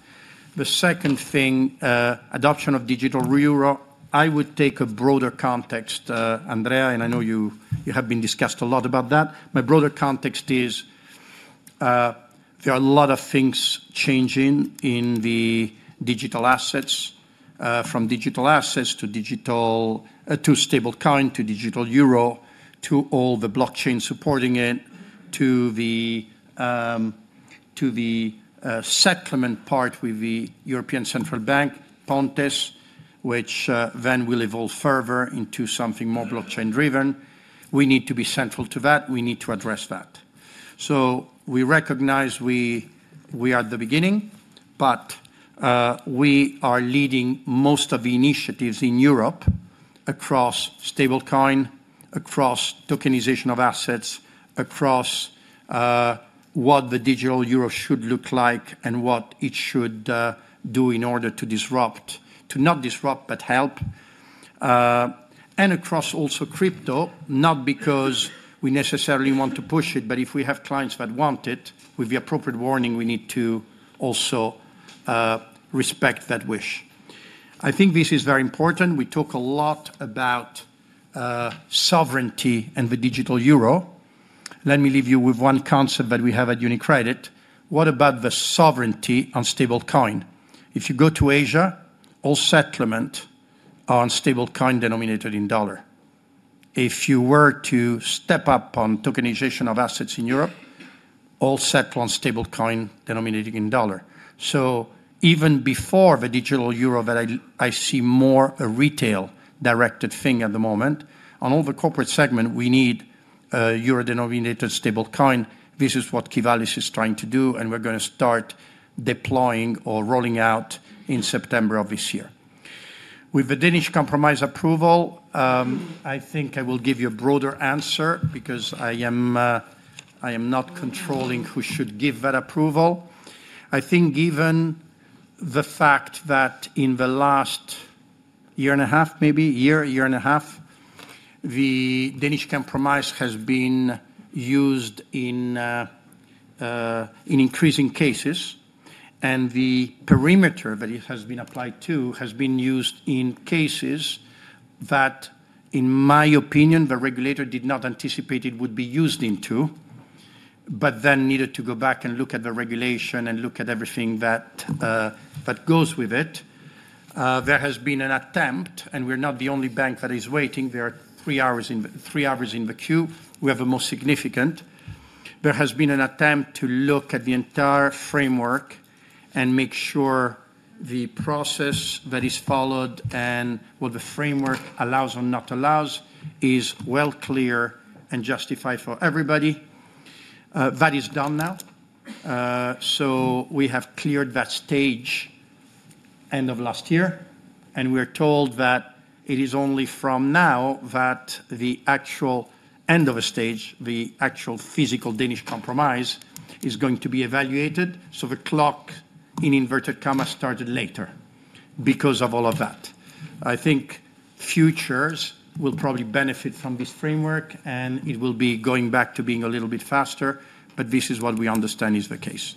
The second thing, adoption of digital euro, I would take a broader context, Andrea, and I know you, you have been discussed a lot about that. My broader context is, there are a lot of things changing in the digital assets, from digital assets to stable coin, to digital euro, to all the blockchain supporting it, to the settlement part with the European Central Bank, Pontes, which then will evolve further into something more blockchain driven. We need to be central to that. We need to address that. So we recognize we, we are at the beginning, but we are leading most of the initiatives in Europe across stable coin, across tokenization of assets, across what the digital euro should look like and what it should do in order to disrupt—to not disrupt, but help. And across also crypto, not because we necessarily want to push it, but if we have clients that want it, with the appropriate warning, we need to also respect that wish. I think this is very important. We talk a lot about sovereignty and the digital euro. Let me leave you with one concept that we have at UniCredit. What about the sovereignty on stable coin? If you go to Asia, all settlement are on stable coin denominated in dollar. If you were to step up on tokenization of assets in Europe, all set on stable coin denominated in dollar. So even before the digital euro, I see more a retail-directed thing at the moment, on all the corporate segment, we need a euro-denominated stable coin. This is what Qivalis is trying to do, and we're gonna start deploying or rolling out in September of this year. With the Danish Compromise approval, I think I will give you a broader answer because I am, I am not controlling who should give that approval. I think given the fact that in the last year and a half, maybe year, year and a half, the Danish Compromise has been used in increasing cases, and the perimeter that it has been applied to has been used in cases that, in my opinion, the regulator did not anticipate it would be used into, but then needed to go back and look at the regulation and look at everything that that goes with it. There has been an attempt, and we're not the only bank that is waiting. There are three hours in the-- three hours in the queue. We have the most significant. There has been an attempt to look at the entire framework and make sure the process that is followed and what the framework allows and not allows is well clear and justified for everybody. That is done now. So we have cleared that stage end of last year, and we're told that it is only from now that the actual end of a stage, the actual physical Danish Compromise, is going to be evaluated, so the clock, in inverted commas, started later because of all of that. I think futures will probably benefit from this framework, and it will be going back to being a little bit faster, but this is what we understand is the case.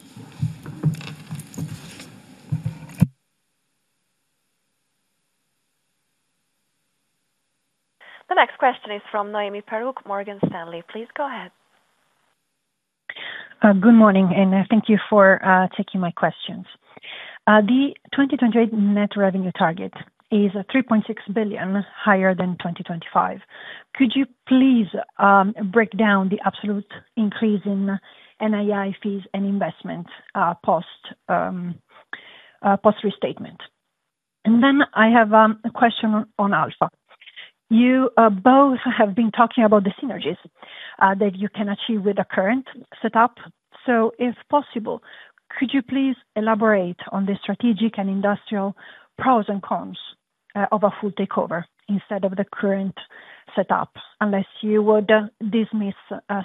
The next question is from Noemi Peruch, Morgan Stanley. Please go ahead. Good morning, and thank you for taking my questions. The 2020 net revenue target is 3.6 billion, higher than 2025. Could you please break down the absolute increase in NII fees and investment post-restatement? And then I have a question on Alpha. You both have been talking about the synergies that you can achieve with the current setup. So, if possible, could you please elaborate on the strategic and industrial pros and cons of a full takeover instead of the current setup, unless you would dismiss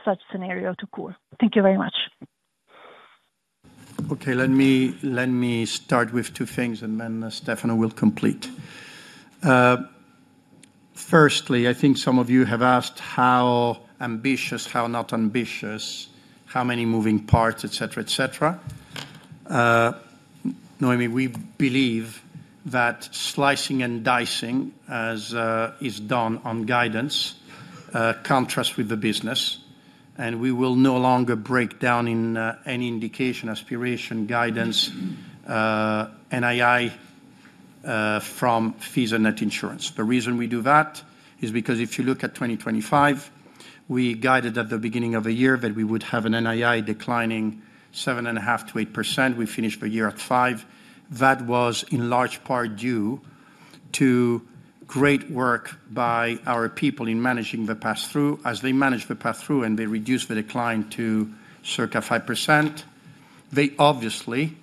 such scenario to cool? Thank you very much. Okay, let me start with two things, and then Stefano will complete. Firstly, I think some of you have asked how ambitious, how not ambitious, how many moving parts, et cetera, et cetera. Noemi, we believe that slicing and dicing, as is done on guidance, contrasts with the business, and we will no longer break down in any indication, aspiration, guidance, NII, from fees and net insurance. The reason we do that is because if you look at 2025, we guided at the beginning of the year that we would have an NII declining 7.5%-8%. We finished the year at 5%. That was in large part due to great work by our people in managing the pass-through. As they managed the pass-through, and they reduced the decline to circa 5%, they obviously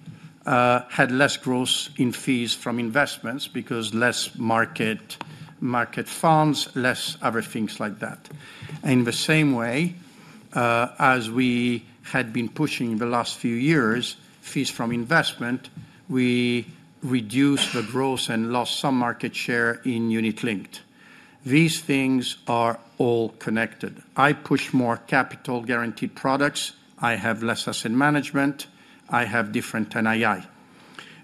had less growth in fees from investments because less market funds, less other things like that. In the same way, as we had been pushing the last few years, fees from investment, we reduced the growth and lost some market share in unit linked. These things are all connected. I push more capital-guaranteed products, I have less asset management, I have different NII.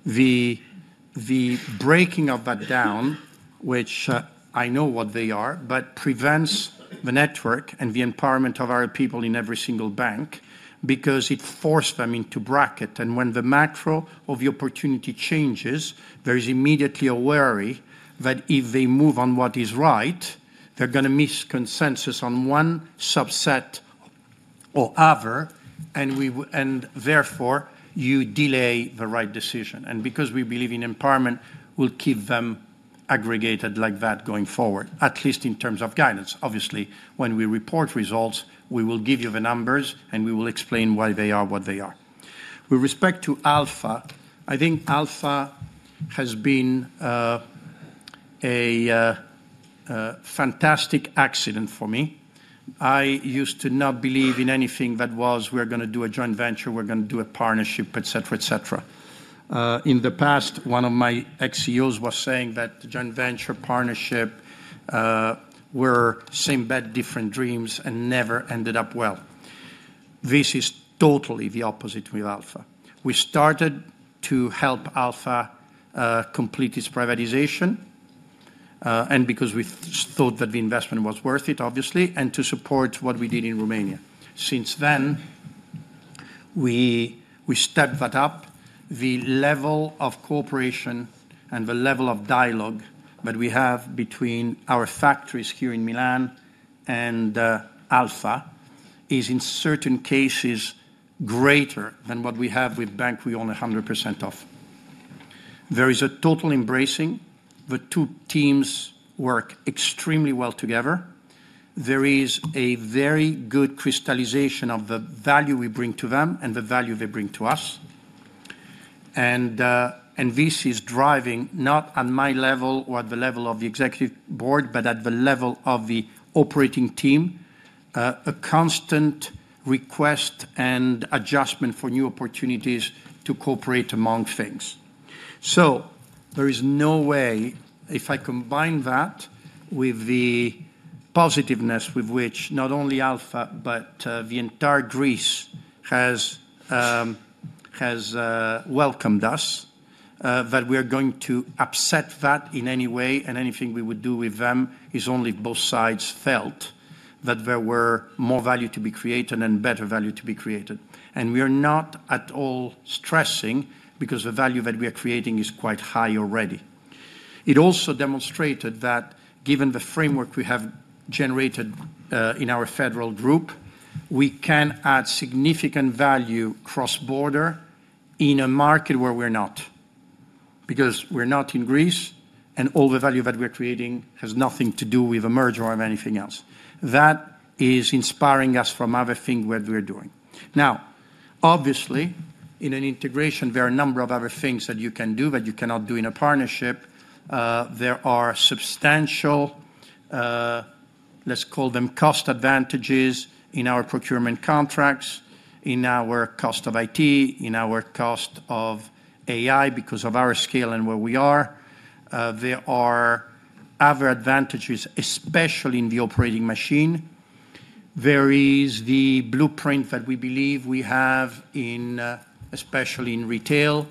The breaking of that down, which I know what they are, but prevents the network and the empowerment of our people in every single bank because it forced them into bracket. When the macro of the opportunity changes, there is immediately a worry that if they move on what is right, they're gonna miss consensus on one subset or other, and therefore, you delay the right decision. Because we believe in empowerment, we'll keep them aggregated like that going forward, at least in terms of guidance. Obviously, when we report results, we will give you the numbers, and we will explain why they are what they are. With respect to Alpha, I think Alpha has been a fantastic accident for me. I used to not believe in anything that was, "We're gonna do a joint venture, we're gonna do a partnership," et cetera, et cetera. In the past, one of my ex-CEOs was saying that the joint venture partnership were same bed, different dreams, and never ended up well. This is totally the opposite with Alpha. We started to help Alpha, complete its privatization, and because we thought that the investment was worth it, obviously, and to support what we did in Romania. Since then, we, we stepped that up. The level of cooperation and the level of dialogue that we have between our factories here in Milan and, Alpha is, in certain cases, greater than what we have with bank we own 100% of. There is a total embracing. The two teams work extremely well together. There is a very good crystallization of the value we bring to them and the value they bring to us. And this is driving, not at my level or at the level of the executive board, but at the level of the operating team, a constant request and adjustment for new opportunities to cooperate among things. So there is no way, if I combine that with the positiveness with which, not only Alpha, but the entire Greece has welcomed us, that we are going to upset that in any way, and anything we would do with them is only if both sides felt that there were more value to be created and better value to be created. And we are not at all stressing because the value that we are creating is quite high already. It also demonstrated that given the framework we have generated in our UniCredit Group, we can add significant value cross-border in a market where we're not, because we're not in Greece, and all the value that we're creating has nothing to do with a merger or anything else. That is inspiring us from other thing what we're doing. Obviously, in an integration, there are a number of other things that you can do, but you cannot do in a partnership. There are substantial, let's call them cost advantages in our procurement contracts, in our cost of IT, in our cost of AI, because of our scale and where we are. There are other advantages, especially in the operating machine. There is the blueprint that we believe we have in, especially in retail,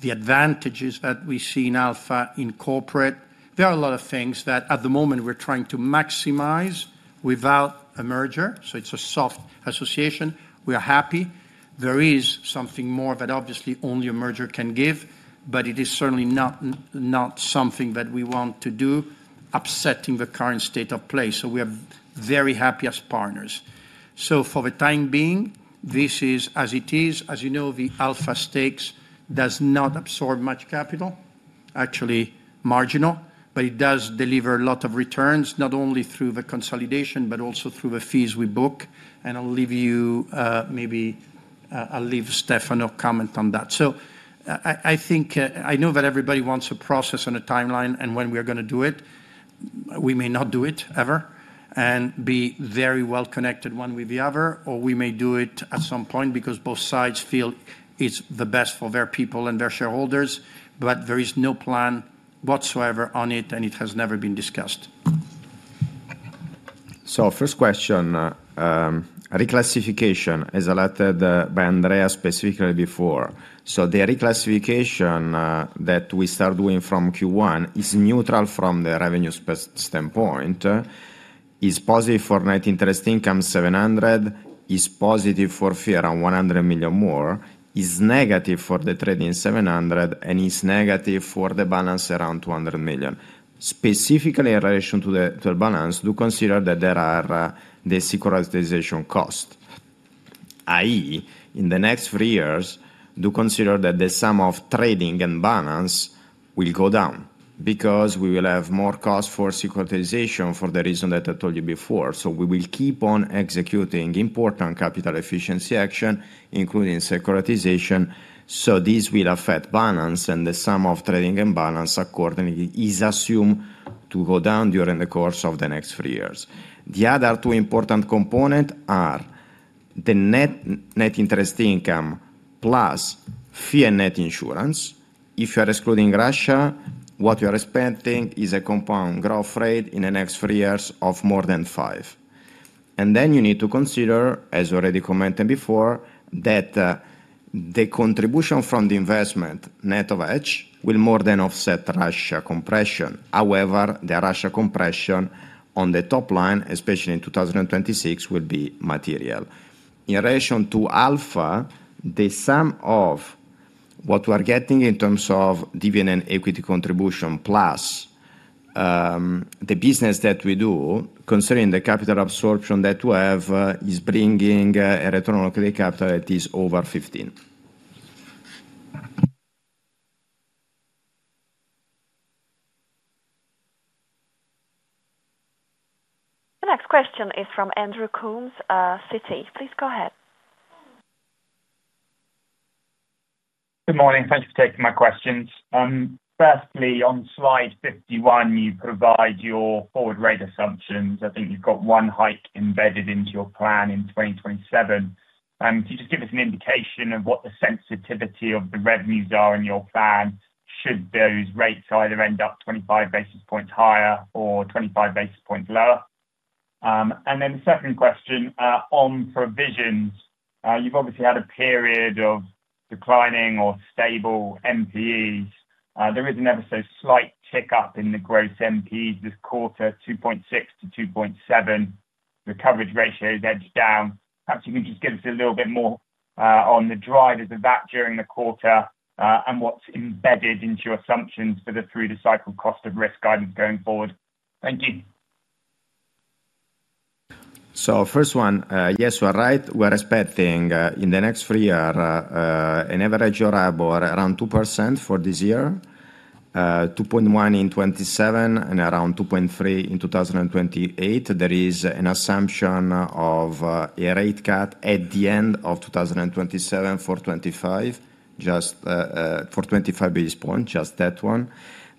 the advantages that we see in Alpha, in corporate. There are a lot of things that at the moment we're trying to maximize without a merger, so it's a soft association. We are happy. There is something more that obviously only a merger can give, but it is certainly not, not something that we want to do, upsetting the current state of play. So we are very happy as partners. So for the time being, this is as it is. As you know, the Alpha stake does not absorb much capital, actually marginal, but it does deliver a lot of returns, not only through the consolidation, but also through the fees we book. And I'll leave you, maybe, I'll leave Stefano comment on that. So I think, I know that everybody wants a process and a timeline, and when we are going to do it. We may not do it ever and be very well connected, one with the other, or we may do it at some point because both sides feel it's the best for their people and their shareholders. But there is no plan whatsoever on it, and it has never been discussed. So first question, reclassification, as highlighted by Andrea specifically before. So the reclassification that we start doing from Q1 is neutral from the revenue perspective standpoint, is positive for net interest income 700, is positive for fee around 100 million more, is negative for the trading 700, and is negative for the balance around 200 million. Specifically in relation to the, to the balance, do consider that there are the securitization cost, i.e., in the next three years, do consider that the sum of trading and balance will go down because we will have more cost for securitization for the reason that I told you before. So we will keep on executing important capital efficiency action, including securitization. This will affect balance, and the sum of trading and balance accordingly, is assumed to go down during the course of the next three years. The other two important component are the net interest income plus fee and net insurance. If you are excluding Russia, what you are expecting is a compound growth rate in the next three years of more than five. And then you need to consider, as already commented before, that the contribution from the investment, net of hedge, will more than offset Russia compression. However, the Russia compression on the top line, especially in 2026, will be material. In relation to Alpha, the sum of what we are getting in terms of dividend and equity contribution, plus, the business that we do, considering the capital absorption that we have, is bringing a return on equity capital that is over 15. The next question is from Andrew Coombs, Citi. Please go ahead. Good morning. Thank you for taking my questions. Firstly, on slide 51, you provide your forward rate assumptions. I think you've got one hike embedded into your plan in 2027. Can you just give us an indication of what the sensitivity of the revenues are in your plan, should those rates either end up 25 basis points higher or 25 basis points lower? And then the second question, on provisions. You've obviously had a period of declining or stable NPEs. There is an ever so slight tick up in the gross NPEs this quarter, 2.6%-2.7%. The coverage ratio has edged down. Perhaps you can just give us a little bit more, on the drivers of that during the quarter, and what's embedded into your assumptions for the through-the-cycle cost of risk guidance going forward. Thank you. First one, yes, you are right. We're expecting in the next three years an average Euribor of around 2% for this year, 2.1 in 2027 and around 2.3 in 2028. There is an assumption of a rate cut at the end of 2027 for 25, just for 25 basis points, just that one.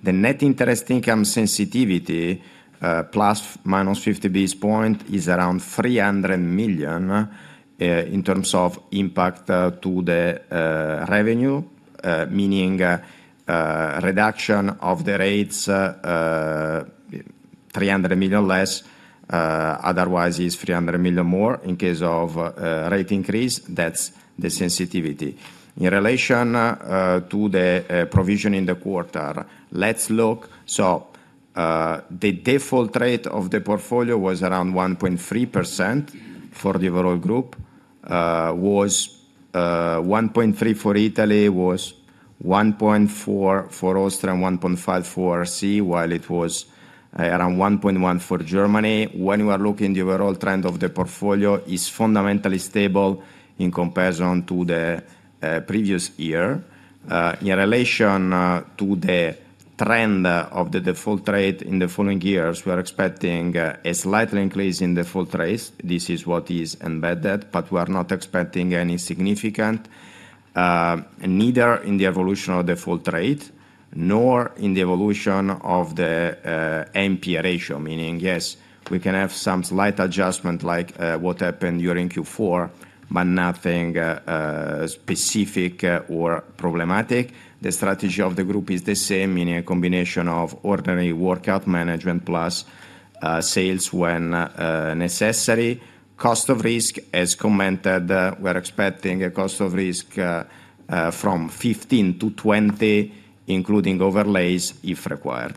The net interest income sensitivity ±50 basis points is around 300 million in terms of impact to the revenue, meaning reduction of the rates, 300 million less, otherwise 300 million more in case of rate increase. That's the sensitivity. In relation to the provision in the quarter, let's look. So, the default rate of the portfolio was around 1.3% for the overall Group, was 1.3% for Italy, was 1.4% for Austria, and 1.5% for RC, while it was around 1.1% for Germany. When you are looking, the overall trend of the portfolio is fundamentally stable in comparison to the previous year. In relation to the- ... trend of the default rate in the following years, we are expecting a slight increase in default rates. This is what is embedded, but we are not expecting any significant, neither in the evolution of default rate nor in the evolution of the NPE ratio. Meaning, yes, we can have some slight adjustment like what happened during Q4, but nothing specific or problematic. The strategy of the Group is the same, meaning a combination of ordinary workout management plus sales when necessary. Cost of risk, as commented, we're expecting a cost of risk from 15 to 20, including overlays if required.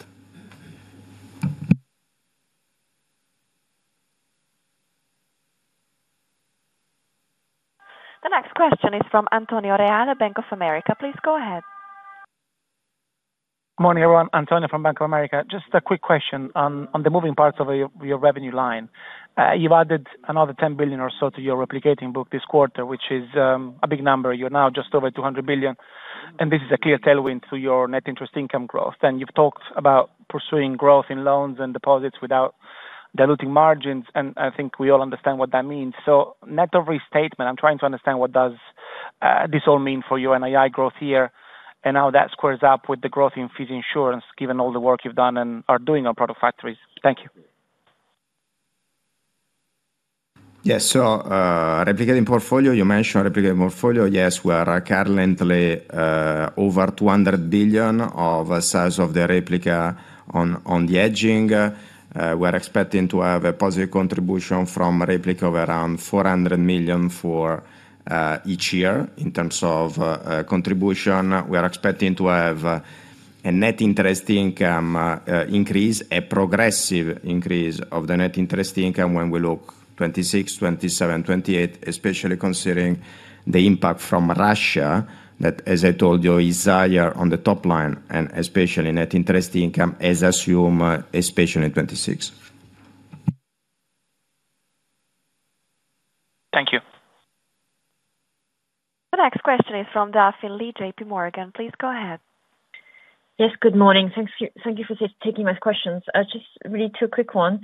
The next question is from Antonio Reale, Bank of America. Please go ahead. Morning, everyone. Antonio from Bank of America. Just a quick question on, on the moving parts of your, your revenue line. You've added another 10 billion or so to your replicating book this quarter, which is, a big number. You're now just over 200 billion, and this is a clear tailwind to your net interest income growth. You've talked about pursuing growth in loans and deposits without diluting margins, and I think we all understand what that means. So net of restatement, I'm trying to understand what does, this all mean for you NII growth year, and how that squares up with the growth in fee income, given all the work you've done and are doing on product factories? Thank you. Yes. So, replicating portfolio, you mentioned replicating portfolio. Yes, we are currently over 200 billion of size of the replica on, on the hedging. We're expecting to have a positive contribution from replica of around 400 million for each year. In terms of contribution, we are expecting to have a net interest income increase, a progressive increase of the net interest income when we look 2026, 2027, 2028, especially considering the impact from Russia, that, as I told you, is higher on the top line, and especially net interest income as assumed, especially in 2026. Thank you. The next question is from Delphine Lee, J.P. Morgan. Please go ahead. Yes, good morning. Thank you for taking my questions. Just really two quick ones.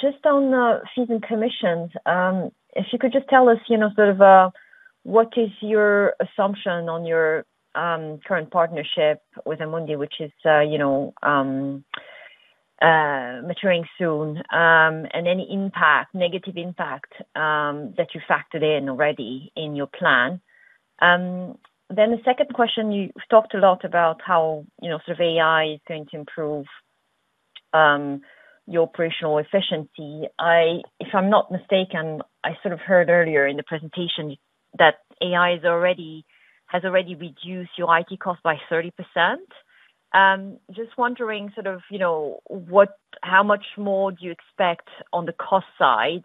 Just on fees and commissions, if you could just tell us, you know, sort of, what is your assumption on your current partnership with Amundi, which is, you know, maturing soon, and any impact, negative impact, that you factored in already in your plan? Then the second question, you've talked a lot about how, you know, sort of AI is going to improve your operational efficiency. If I'm not mistaken, I sort of heard earlier in the presentation that AI has already reduced your IT cost by 30%. Just wondering, sort of, you know, how much more do you expect on the cost side,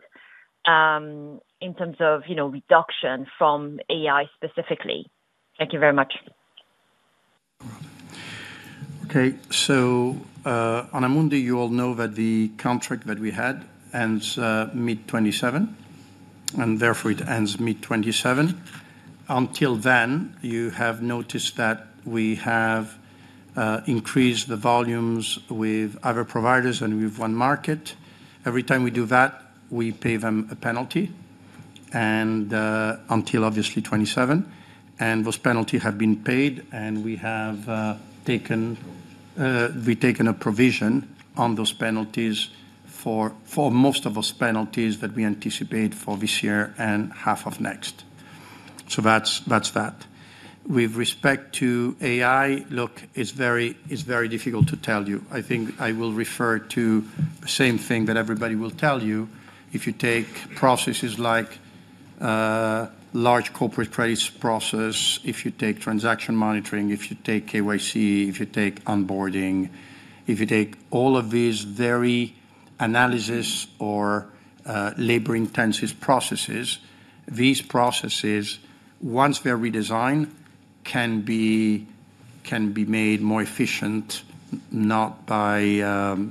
in terms of, you know, reduction from AI specifically? Thank you very much. Okay. So, on Amundi, you all know that the contract that we had ends mid-2027, and therefore it ends mid-2027. Until then, you have noticed that we have increased the volumes with other providers, and with onemarkets. Every time we do that, we pay them a penalty, and until obviously 2027, and those penalty have been paid, and we have taken, we've taken a provision on those penalties for most of those penalties that we anticipate for this year and half of next. So that's, that's that. With respect to AI, look, it's very, it's very difficult to tell you. I think I will refer to the same thing that everybody will tell you. If you take processes like large corporate price process, if you take transaction monitoring, if you take KYC, if you take onboarding, if you take all of these very analysis or labor-intensive processes, these processes, once they're redesigned, can be made more efficient, not by,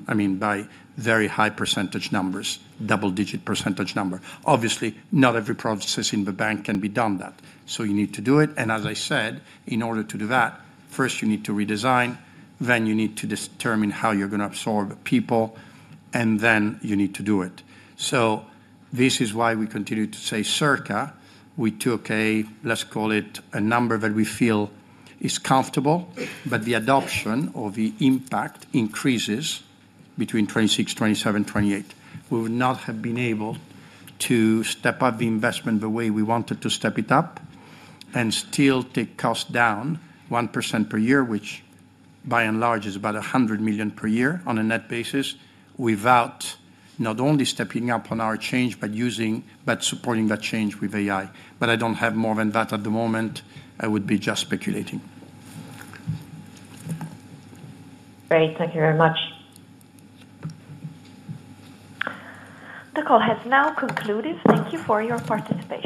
I mean, by very high percentage numbers, double-digit percentage number. Obviously, not every processes in the bank can be done that. So you need to do it, and as I said, in order to do that, first you need to redesign, then you need to determine how you're going to absorb people, and then you need to do it. So this is why we continue to say circa. We took a, let's call it, a number that we feel is comfortable, but the adoption or the impact increases between 2026, 2027, 2028. We would not have been able to step up the investment the way we wanted to step it up and still take cost down 1% per year, which by and large, is about 100 million per year on a net basis, without not only stepping up on our change, but using—but supporting that change with AI. But I don't have more than that at the moment. I would be just speculating. Great. Thank you very much. The call has now concluded. Thank you for your participation.